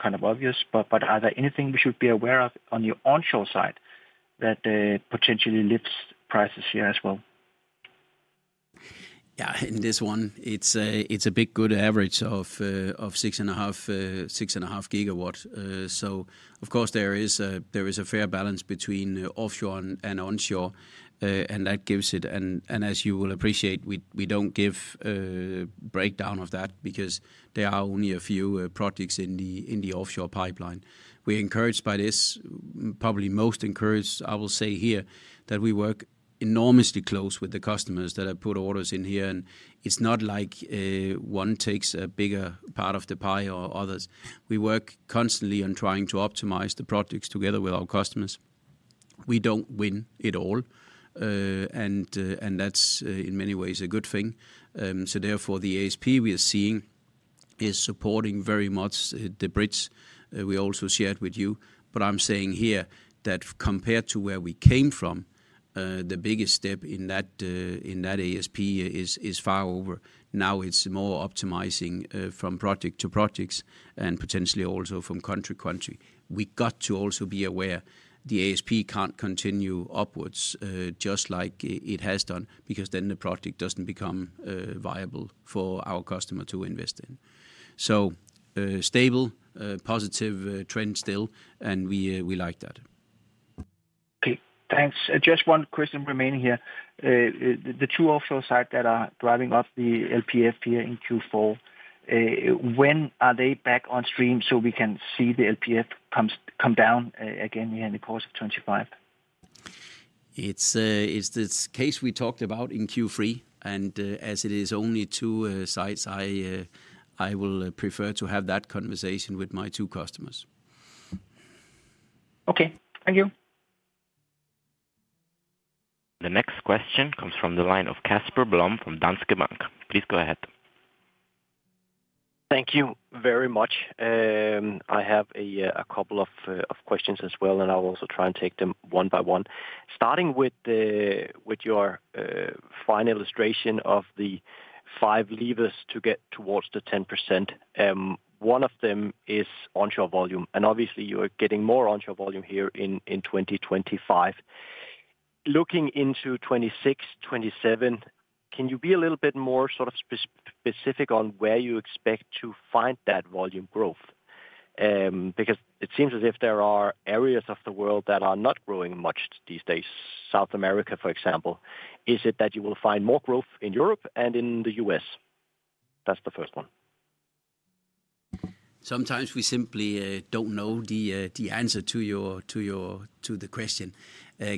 kind of obvious, but are there anything we should be aware of on the onshore side that potentially lifts prices here as well? Yeah, in this one, it's a big good average of 6.5 GW. So of course, there is a fair balance between offshore and onshore, and that gives it. And as you will appreciate, we don't give breakdown of that because there are only a few projects in the offshore pipeline. We're encouraged by this, probably most encouraged, I will say here, that we work enormously close with the customers that have put orders in here. And it's not like one takes a bigger part of the pie or others. We work constantly on trying to optimize the projects together with our customers. We don't win it all, and that's in many ways a good thing. So therefore, the ASP we are seeing is supporting very much the bridge we also shared with you. But I'm saying here that compared to where we came from, the biggest step in that ASP is far over. Now it's more optimizing from project to projects and potentially also from country to country. We got to also be aware the ASP can't continue upwards just like it has done because then the project doesn't become viable for our customer to invest in. So stable, positive trend still, and we like that. Thanks. Just one question remaining here. The two offshore sites that are driving up the LPF here in Q4, when are they back on stream so we can see the LPF come down again here in the course of 2025? It's the case we talked about in Q3, and as it is only two sites, I will prefer to have that conversation with my two customers. Okay. Thank you. The next question comes from the line of Casper Blom from Danske Bank. Please go ahead. Thank you very much. I have a couple of questions as well, and I'll also try and take them one by one. Starting with your final illustration of the five levers to get towards the 10%, one of them is onshore volume, and obviously you are getting more onshore volume here in 2025. Looking into 2026, 2027, can you be a little bit more sort of specific on where you expect to find that volume growth? Because it seems as if there are areas of the world that are not growing much these days, South America, for example. Is it that you will find more growth in Europe and in the U.S.? That's the first one. Sometimes we simply don't know the answer to the question,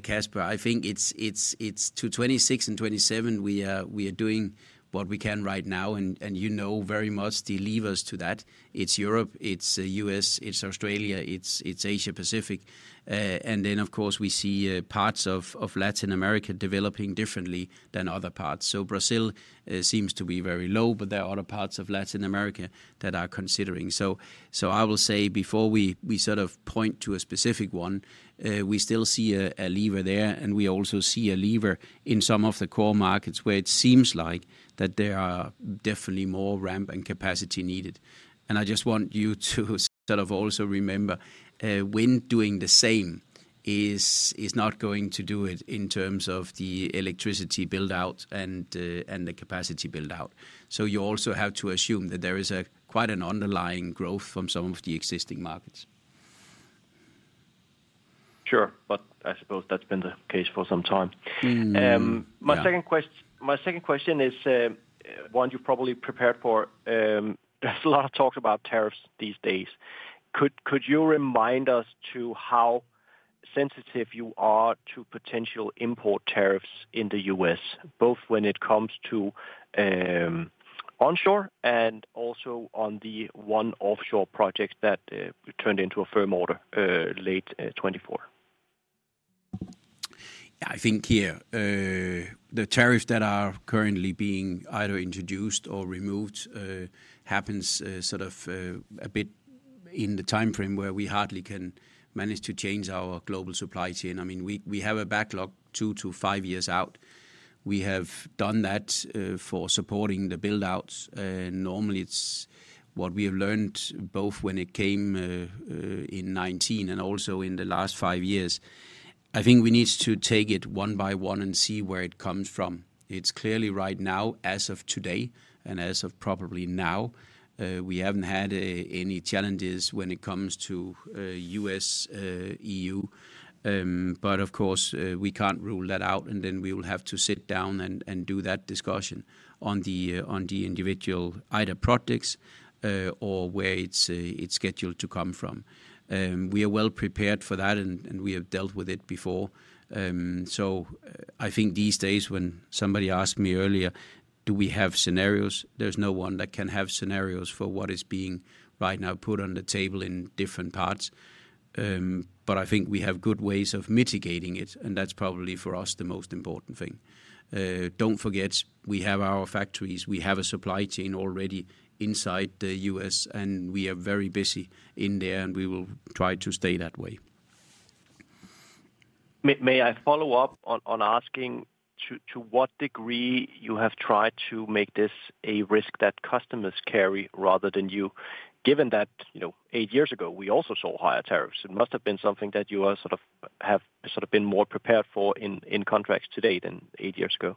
Casper. I think it's to 2026 and 2027, we are doing what we can right now, and you know very much the levers to that. It's Europe, it's US, it's Australia, it's Asia-Pacific. And then, of course, we see parts of Latin America developing differently than other parts. So Brazil seems to be very low, but there are other parts of Latin America that are considering. So I will say before we sort of point to a specific one, we still see a lever there, and we also see a lever in some of the core markets where it seems like that there are definitely more ramp and capacity needed. And I just want you to sort of also remember when doing the same is not going to do it in terms of the electricity build-out and the capacity build-out. So you also have to assume that there is quite an underlying growth from some of the existing markets. Sure, but I suppose that's been the case for some time. My second question is one you probably prepared for. There's a lot of talk about tariffs these days. Could you remind us to how sensitive you are to potential import tariffs in the U.S., both when it comes to onshore and also on the one offshore project that turned into a firm order late 2024? Yeah, I think here, the tariffs that are currently being either introduced or removed happens sort of a bit in the time frame where we hardly can manage to change our global supply chain. I mean, we have a backlog two to five years out. We have done that for supporting the build-outs. Normally, it's what we have learned both when it came in 2019 and also in the last five years. I think we need to take it one by one and see where it comes from. It's clearly right now, as of today and as of probably now, we haven't had any challenges when it comes to U.S., E.U. But of course, we can't rule that out, and then we will have to sit down and do that discussion on the individual either projects or where it's scheduled to come from. We are well prepared for that, and we have dealt with it before. So I think these days, when somebody asked me earlier, do we have scenarios, there's no one that can have scenarios for what is being right now put on the table in different parts. But I think we have good ways of mitigating it, and that's probably for us the most important thing. Don't forget, we have our factories, we have a supply chain already inside the U.S., and we are very busy in there, and we will try to stay that way. May I follow up on asking to what degree you have tried to make this a risk that customers carry rather than you? Given that eight years ago, we also saw higher tariffs. It must have been something that you have sort of been more prepared for in contracts today than eight years ago.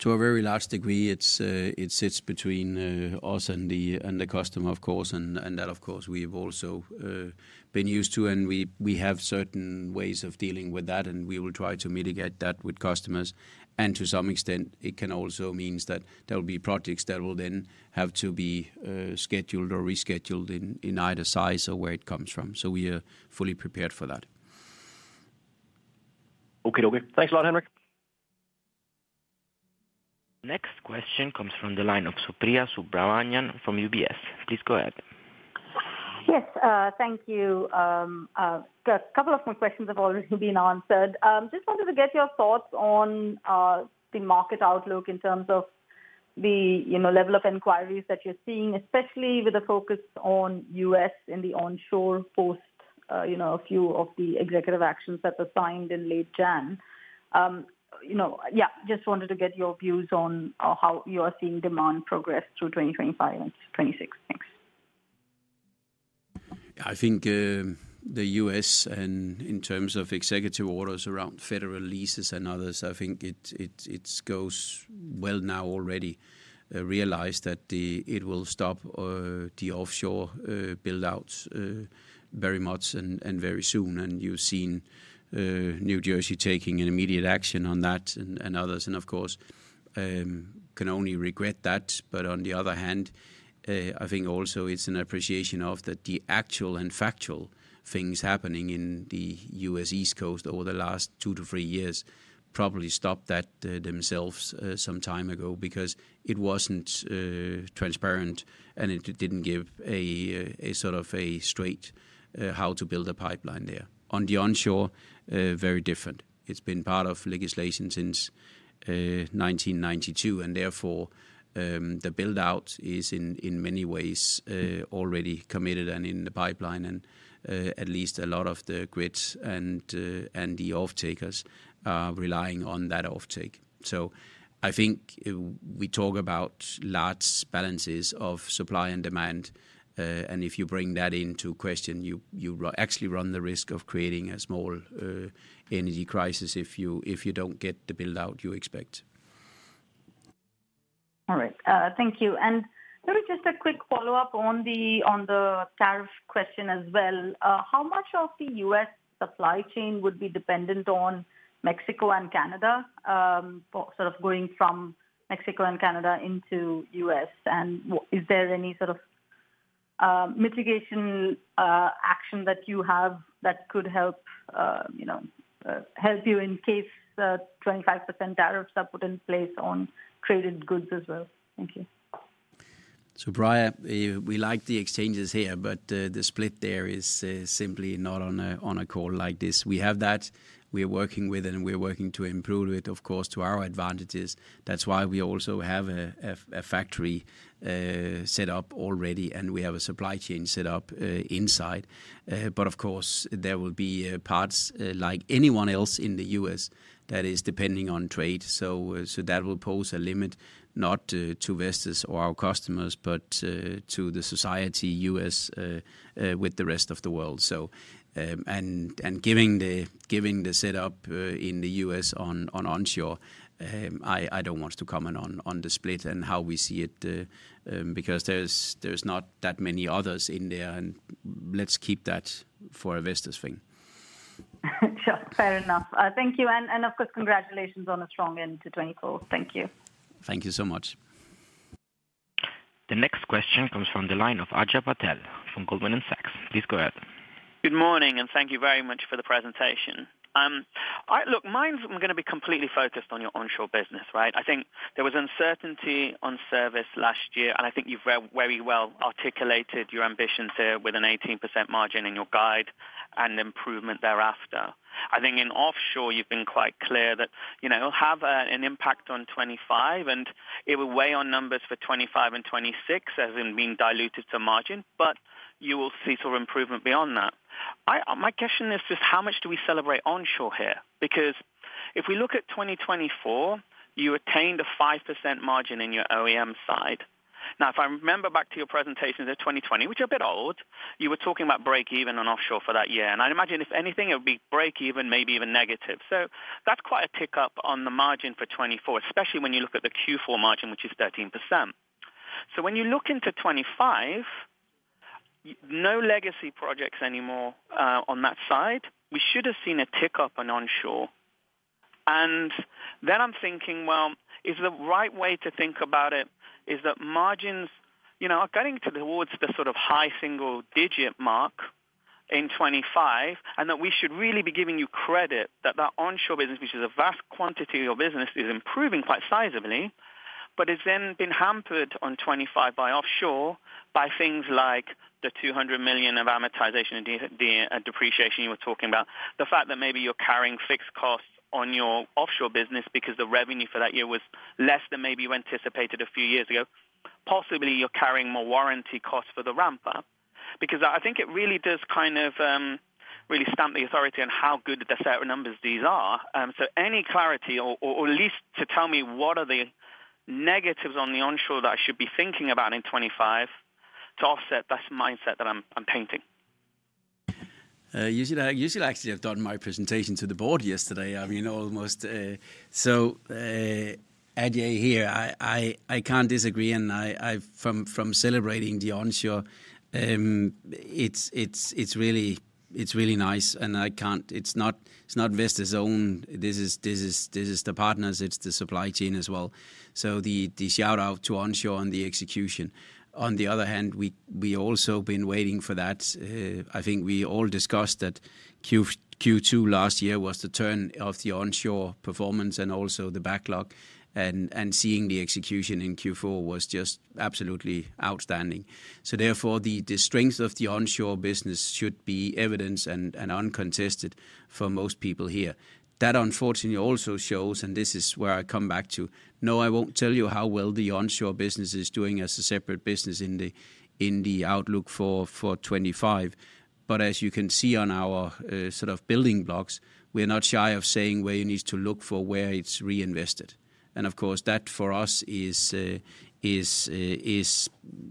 To a very large degree, it sits between us and the customer, of course, and that, of course, we have also been used to. And we have certain ways of dealing with that, and we will try to mitigate that with customers. And to some extent, it can also mean that there will be projects that will then have to be scheduled or rescheduled in either size or where it comes from. So we are fully prepared for that. Okay, okay. Thanks a lot, Henrik. Next question comes from the line of Supriya Subramanian from UBS. Please go ahead. Yes, thank you. A couple of my questions have already been answered. Just wanted to get your thoughts on the market outlook in terms of the level of inquiries that you're seeing, especially with a focus on U.S. in the onshore post a few of the executive actions that were signed in late January. Yeah, just wanted to get your views on how you are seeing demand progress through 2025 and 2026. Thanks. I think the U.S., and in terms of executive orders around federal leases and others, I think it goes well now already. Realize that it will stop the offshore build-outs very much and very soon, and you've seen New Jersey taking immediate action on that and others, and of course can only regret that. But on the other hand, I think also it's an appreciation of that the actual and factual things happening in the U.S. East Coast over the last two to three years probably stopped that themselves some time ago because it wasn't transparent and it didn't give a sort of a straight how to build a pipeline there. On the onshore, very different. It's been part of legislation since 1992, and therefore the build-out is in many ways already committed and in the pipeline. At least a lot of the grids and the offtakers are relying on that offtake. I think we talk about large balances of supply and demand. If you bring that into question, you actually run the risk of creating a small energy crisis if you don't get the build-out you expect. All right. Thank you. Sort of just a quick follow-up on the tariff question as well. How much of the U.S. supply chain would be dependent on Mexico and Canada? Sort of going from Mexico and Canada into U.S. Is there any sort of mitigation action that you have that could help you in case 25% tariffs are put in place on traded goods as well? Thank you. Supriya, we like the exchanges here, but the split there is simply not on a call like this. We have that. We are working with it, and we are working to improve it, of course, to our advantages. That's why we also have a factory set up already, and we have a supply chain set up inside. But of course, there will be parts like anyone else in the U.S. that is depending on trade. So that will pose a limit not to Vestas or our customers, but to the U.S. society with the rest of the world. And giving the setup in the U.S. on onshore, I don't want to comment on the split and how we see it because there's not that many others in there. And let's keep that for a Vestas thing. Fair enough. Thank you. And of course, congratulations on a strong end to 2024. Thank you. Thank you so much. The next question comes from the line of Ajay Patel from Goldman Sachs. Please go ahead. Good morning, and thank you very much for the presentation. Look, mine's going to be completely focused on your onshore business, right? I think there was uncertainty on service last year, and I think you've very well articulated your ambitions here with an 18% margin in your guide and improvement thereafter. I think in offshore, you've been quite clear that it'll have an impact on 2025, and it will weigh on numbers for 2025 and 2026 as in being diluted to margin, but you will see sort of improvement beyond that. My question is just how much do we celebrate onshore here? Because if we look at 2024, you attained a 5% margin in your OEM side. Now, if I remember back to your presentations in 2020, which are a bit old, you were talking about break-even on offshore for that year. I'd imagine if anything, it would be break-even, maybe even negative. That's quite a tick up on the margin for 2024, especially when you look at the Q4 margin, which is 13%. When you look into 2025, no legacy projects anymore on that side. We should have seen a tick up on onshore. And then I'm thinking, well, is the right way to think about it that margins are getting towards the sort of high single-digit mark in 2025, and that we should really be giving you credit that that onshore business, which is a vast quantity of your business, is improving quite sizably, but it's then been hampered in 2025 by offshore by things like the € 200 million of amortization and depreciation you were talking about, the fact that maybe you're carrying fixed costs on your offshore business because the revenue for that year was less than maybe you anticipated a few years ago. Possibly you're carrying more warranty costs for the ramp-up because I think it really does kind of really stamp the authority on how good the set of numbers these are. So any clarity or at least to tell me what are the negatives on the onshore that I should be thinking about in '25 to offset that mindset that I'm painting? You should actually have done my presentation to the board yesterday. I mean, almost. So Andersen here, I can't disagree. And from celebrating the onshore, it's really nice. And it's not Vestas' own. This is the partners. It's the supply chain as well. So the shout-out to onshore and the execution. On the other hand, we also have been waiting for that. I think we all discussed that Q2 last year was the turn of the onshore performance and also the backlog. And seeing the execution in Q4 was just absolutely outstanding. So therefore, the strength of the onshore business should be evidence and uncontested for most people here. That unfortunately also shows, and this is where I come back to. No, I won't tell you how well the onshore business is doing as a separate business in the outlook for 2025. But as you can see on our sort of building blocks, we're not shy of saying where you need to look for where it's reinvested. And of course, that for us is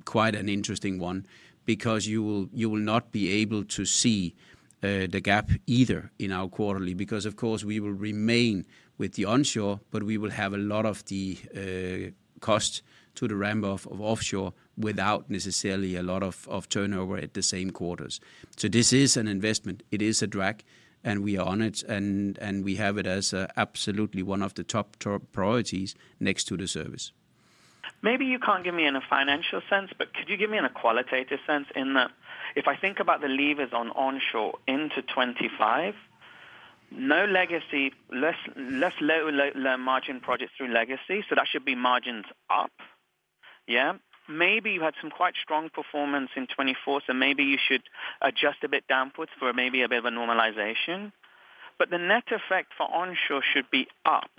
quite an interesting one because you will not be able to see the gap either in our quarterly because, of course, we will remain with the onshore, but we will have a lot of the cost to the ramp-up of offshore without necessarily a lot of turnover at the same quarters. So this is an investment. It is a drag, and we are on it, and we have it as absolutely one of the top priorities next to the service. Maybe you can't give me in a financial sense, but could you give me in a qualitative sense in that if I think about the levers on onshore into 2025, no legacy, less low margin projects through legacy, so that should be margins up. Yeah. Maybe you had some quite strong performance in 2024, so maybe you should adjust a bit downwards for maybe a bit of a normalization. But the net effect for onshore should be up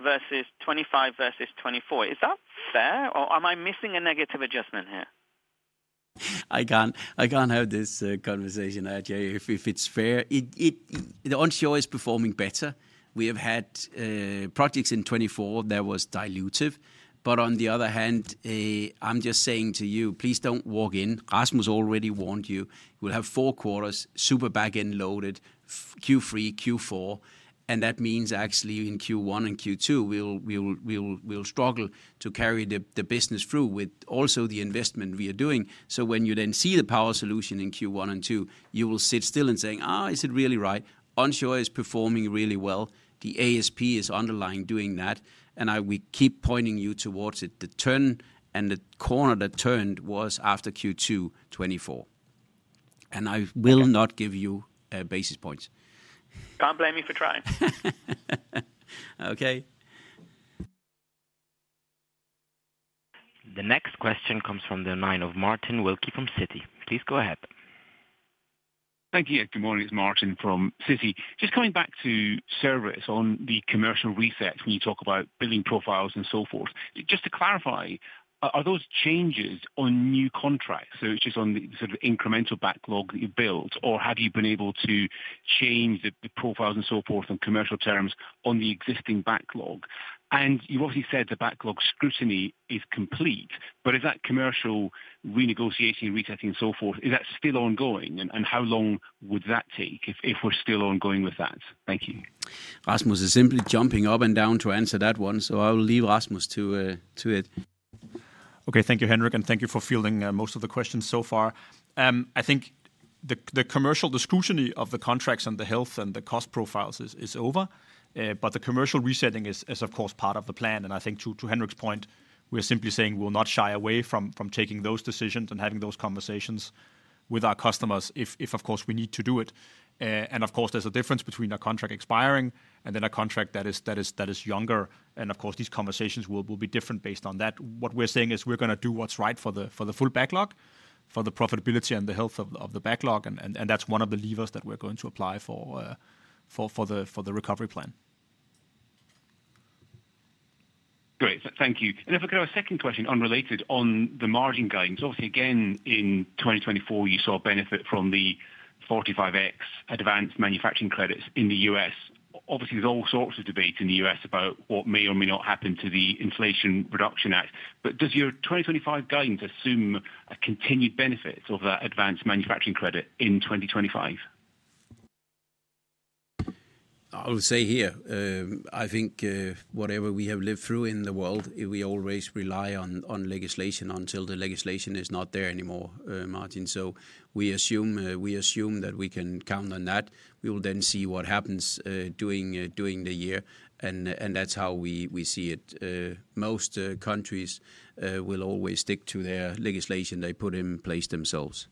versus 2025 versus 2024. Is that fair or am I missing a negative adjustment here? I can't have this conversation, Ajay, if it's fair. The onshore is performing better. We have had projects in 2024 that were dilutive. But on the other hand, I'm just saying to you, please don't walk in. Rasmus already warned you. We'll have four quarters, super back-end loaded, Q3, Q4. That means actually in Q1 and Q2, we'll struggle to carry the business through with also the investment we are doing. So when you then see the power solution in Q1 and Q2, you will sit still and say, "Is it really right?" Onshore is performing really well. The ASP is underlying doing that. And we keep pointing you towards it. The turn and the corner that turned was after Q2 2024. And I will not give you basis points. Can't blame me for trying. Okay. The next question comes from the line of Martin Wilkie from Citi. Please go ahead. Thank you. Good morning. It's Martin from Citi. Just coming back to service on the commercial reset when you talk about building profiles and so forth. Just to clarify, are those changes on new contracts? So it's just on the sort of incremental backlog that you've built, or have you been able to change the profiles and so forth on commercial terms on the existing backlog? And you've obviously said the backlog scrutiny is complete, but is that commercial renegotiating and resetting and so forth, is that still ongoing? And how long would that take if we're still ongoing with that? Thank you. Rasmus is simply jumping up and down to answer that one, so I'll leave Rasmus to it. Okay. Thank you, Henrik, and thank you for fielding most of the questions so far. I think the commercial scrutiny of the contracts and the health and the cost profiles is over, but the commercial resetting is, of course, part of the plan. I think to Henrik's point, we're simply saying we'll not shy away from taking those decisions and having those conversations with our customers if, of course, we need to do it. Of course, there's a difference between a contract expiring and then a contract that is younger. Of course, these conversations will be different based on that. What we're saying is we're going to do what's right for the full backlog, for the profitability and the health of the backlog. That's one of the levers that we're going to apply for the recovery plan. Great. Thank you. If I could have a second question unrelated on the margin guidance. Obviously, again, in 2024, you saw benefit from the 45X advanced manufacturing credits in the U.S. Obviously, there's all sorts of debate in the U.S. about what may or may not happen to the Inflation Reduction Act. But does your 2025 guidance assume a continued benefit of that advanced manufacturing credit in 2025? I would say here, I think whatever we have lived through in the world, we always rely on legislation until the legislation is not there anymore, Martin. So we assume that we can count on that. We will then see what happens during the year. And that's how we see it. Most countries will always stick to their legislation they put in place themselves.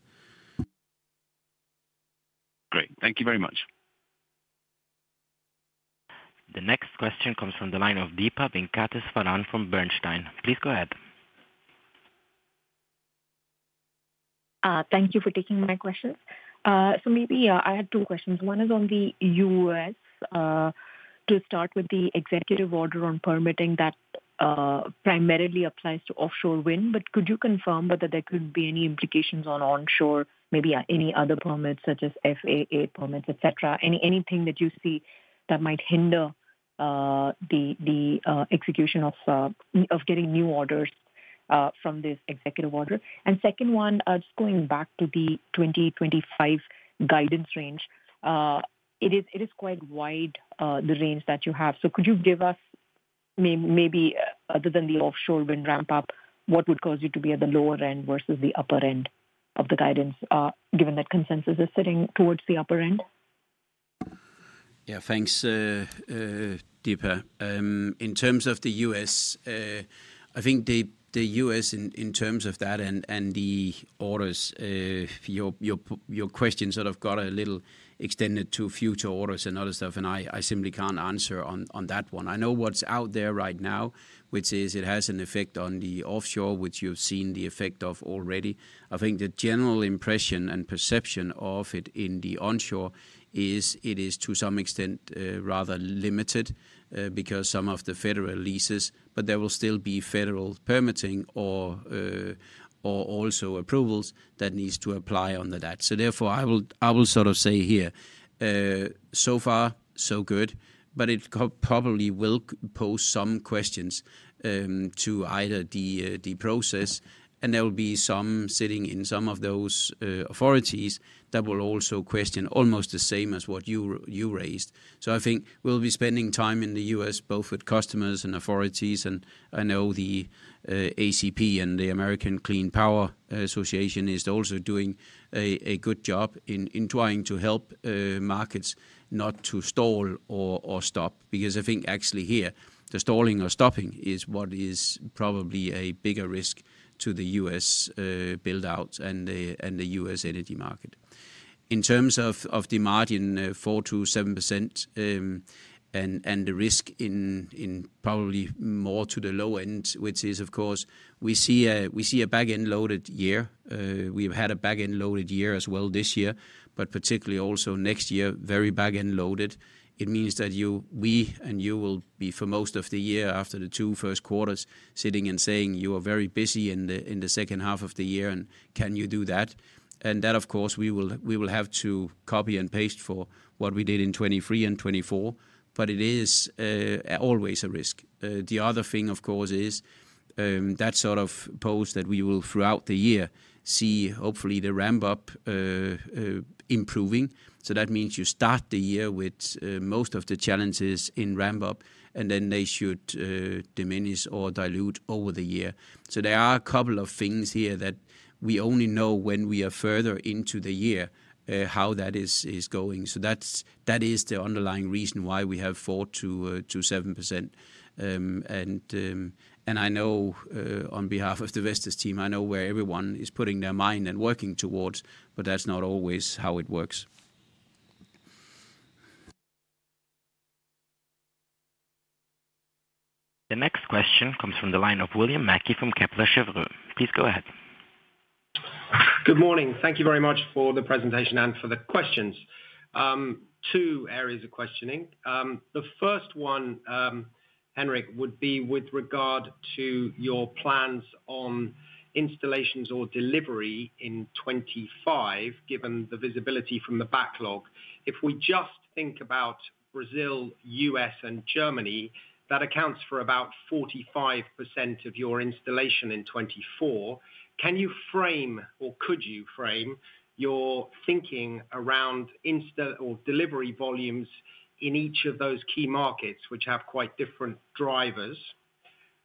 Great. Thank you very much. The next question comes from the line of Deepa Venkateswaran from Bernstein. Please go ahead. Thank you for taking my question. So maybe I had two questions. One is on the U.S. to start with the executive order on permitting that primarily applies to offshore wind. But could you confirm whether there could be any implications on onshore, maybe any other permits such as FAA permits, etc.? Anything that you see that might hinder the execution of getting new orders from this executive order? And second one, just going back to the 2025 guidance range, it is quite wide, the range that you have. So could you give us maybe, other than the offshore wind ramp-up, what would cause you to be at the lower end versus the upper end of the guidance, given that consensus is sitting towards the upper end? Yeah. Thanks, Deepa. In terms of the U.S., I think the U.S. in terms of that and the orders, your question sort of got a little extended to future orders and other stuff, and I simply can't answer on that one. I know what's out there right now, which is it has an effect on the offshore, which you've seen the effect of already. I think the general impression and perception of it in the onshore is it is to some extent rather limited because some of the federal leases, but there will still be federal permitting or also approvals that needs to apply on that. So therefore, I will sort of say here, so far, so good, but it probably will pose some questions to either the process, and there will be some sitting in some of those authorities that will also question almost the same as what you raised. So I think we'll be spending time in the U.S., both with customers and authorities. And I know the ACP and the American Clean Power Association is also doing a good job in trying to help markets not to stall or stop because I think actually here, the stalling or stopping is what is probably a bigger risk to the U.S. build-out and the U.S. energy market. In terms of the margin, 4%-7%, and the risk is probably more to the low end, which is, of course, we see a back-end loaded year. We've had a back-end loaded year as well this year, but particularly also next year, very back-end loaded. It means that we and you will be for most of the year after the two first quarters sitting and saying, "You are very busy in the second half of the year, and can you do that?" And that, of course, we will have to copy and paste for what we did in 2023 and 2024, but it is always a risk. The other thing, of course, is that sort of post that we will throughout the year see, hopefully, the ramp-up improving. So that means you start the year with most of the challenges in ramp-up, and then they should diminish or dilute over the year. So there are a couple of things here that we only know when we are further into the year how that is going. So that is the underlying reason why we have 4%-7%. I know on behalf of the Vestas team, I know where everyone is putting their mind and working towards, but that's not always how it works. The next question comes from the line of William Mackie from Kepler Cheuvreux. Please go ahead. Good morning. Thank you very much for the presentation and for the questions. Two areas of questioning. The first one, Henrik, would be with regard to your plans on installations or delivery in 2025, given the visibility from the backlog. If we just think about Brazil, US, and Germany, that accounts for about 45% of your installation in 2024. Can you frame or could you frame your thinking around delivery volumes in each of those key markets, which have quite different drivers?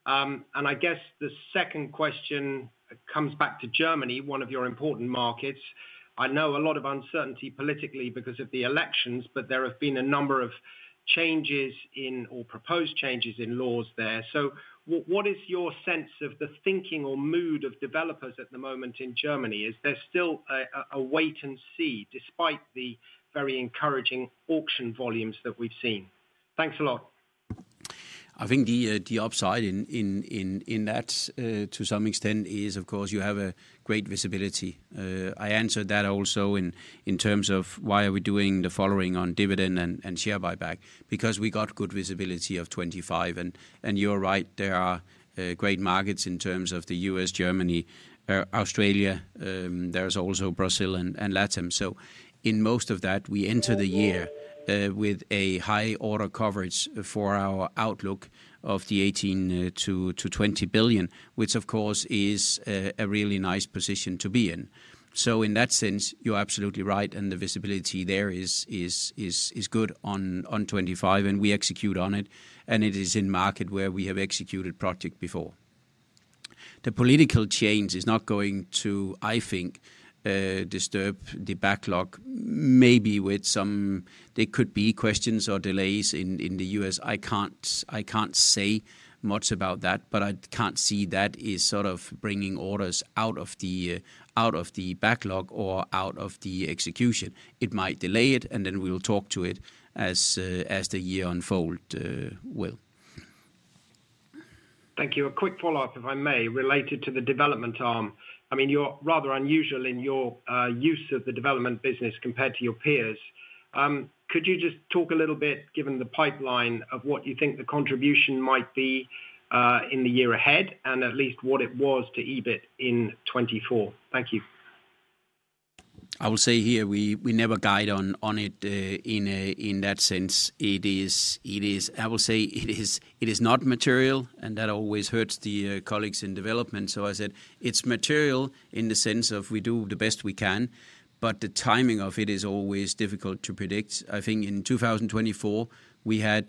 I guess the second question comes back to Germany, one of your important markets. I know a lot of uncertainty politically because of the elections, but there have been a number of changes in or proposed changes in laws there. So what is your sense of the thinking or mood of developers at the moment in Germany? Is there still a wait and see despite the very encouraging auction volumes that we've seen? Thanks a lot. I think the upside in that to some extent is, of course, you have a great visibility. I answered that also in terms of why are we doing the following on dividend and share buyback? Because we got good visibility of 2025. And you're right, there are great markets in terms of the US, Germany, Australia. There's also Brazil and Latam. In most of that, we enter the year with a high order coverage for our outlook of 18-20 billion, which, of course, is a really nice position to be in. In that sense, you're absolutely right, and the visibility there is good on 2025, and we execute on it, and it is in market where we have executed projects before. The political change is not going to, I think, disturb the backlog. Maybe there could be questions or delays in the U.S. I can't say much about that, but I can't see that is sort of bringing orders out of the backlog or out of the execution. It might delay it, and then we'll talk to it as the year unfolds. Thank you. A quick follow-up, if I may, related to the development arm. I mean, you're rather unusual in your use of the development business compared to your peers. Could you just talk a little bit, given the pipeline, of what you think the contribution might be in the year ahead and at least what it was to EBIT in 2024? Thank you. I will say here, we never guide on it in that sense. I will say it is not material, and that always hurts the colleagues in development. So I said it's material in the sense of we do the best we can, but the timing of it is always difficult to predict. I think in 2024, we had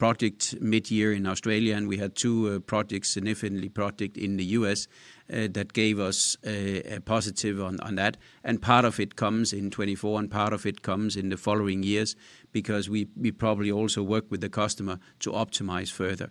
project mid-year in Australia, and we had two projects significantly projected in the US that gave us a positive on that. And part of it comes in 2024, and part of it comes in the following years because we probably also work with the customer to optimize further.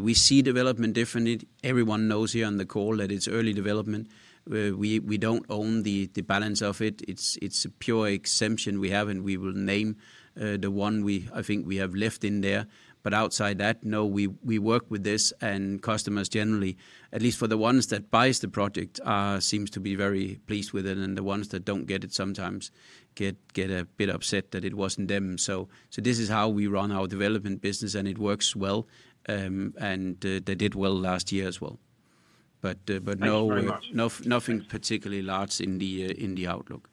We see development differently. Everyone knows here on the call that it's early development. We don't own the balance of it. It's a pure exemption we have, and we will name the one I think we have left in there. But outside that, no, we work with this. And customers generally, at least for the ones that buy the project, seem to be very pleased with it. And the ones that don't get it sometimes get a bit upset that it wasn't them. So this is how we run our development business, and it works well. And they did well last year as well. But no, nothing particularly large in the outlook.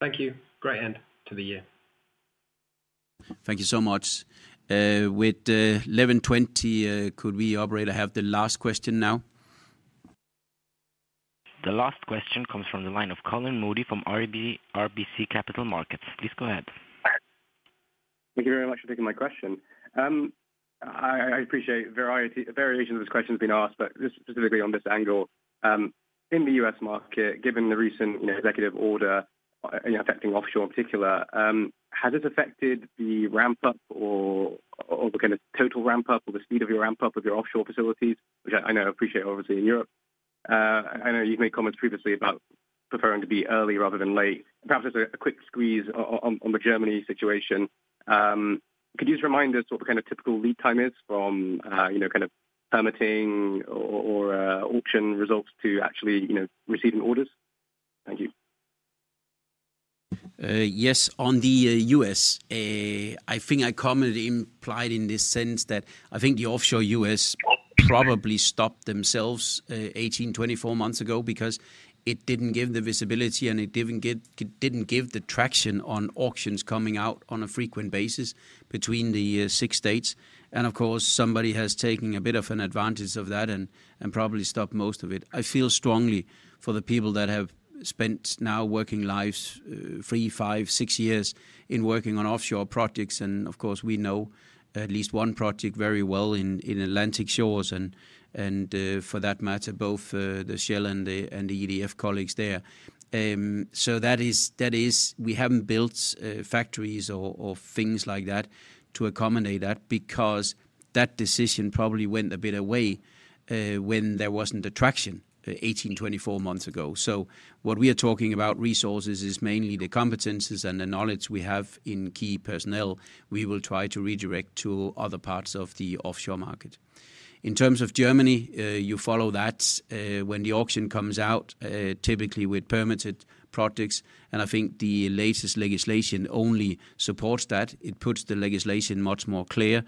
Thank you. Great end to the year. Thank you so much. At 11:20. Could the operator have the last question now? The last question comes from the line of Colin Moody from RBC Capital Markets. Please go ahead. Thank you very much for taking my question. I appreciate a variation of this question being asked, but specifically on this angle. In the US market, given the recent executive order affecting offshore in particular, has it affected the ramp-up or the kind of total ramp-up or the speed of your ramp-up of your offshore facilities, which I know are obviously in Europe? I know you've made comments previously about preferring to be early rather than late. Perhaps just a quick squeeze on the Germany situation. Could you just remind us what the kind of typical lead time is from kind of permitting or auction results to actually receiving orders? Thank you. Yes. On the U.S., I think I commented implied in this sense that I think the offshore U.S. probably stopped themselves 18-24 months ago because it didn't give the visibility, and it didn't give the traction on auctions coming out on a frequent basis between the six states. Of course, somebody has taken a bit of an advantage of that and probably stopped most of it. I feel strongly for the people that have spent now working lives three, five, six years in working on offshore projects. Of course, we know at least one project very well in Atlantic Shores and for that matter, both the Shell and the EDF colleagues there. That is, we haven't built factories or things like that to accommodate that because that decision probably went a bit away when there wasn't attraction 18-24 months ago. So what we are talking about resources is mainly the competencies and the knowledge we have in key personnel. We will try to redirect to other parts of the offshore market. In terms of Germany, you follow that when the auction comes out, typically with permitted projects. And I think the latest legislation only supports that. It puts the legislation much more clear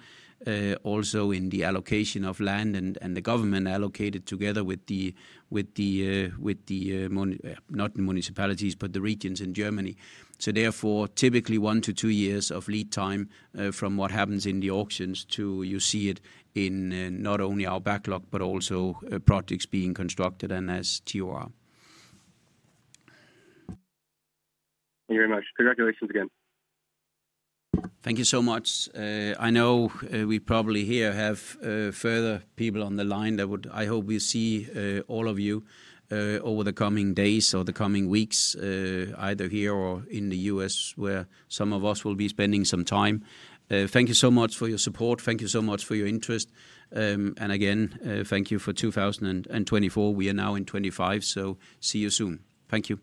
also in the allocation of land and the government allocated together with the not the municipalities, but the regions in Germany. So therefore, typically one to two years of lead time from what happens in the auctions to you see it in not only our backlog, but also projects being constructed and turned over. Thank you very much. Congratulations again. Thank you so much. I know we probably here have further people on the line that I hope we see all of you over the coming days or the coming weeks, either here or in the U.S. where some of us will be spending some time. Thank you so much for your support. Thank you so much for your interest. And again, thank you for 2024. We are now in 2025, so see you soon. Thank you.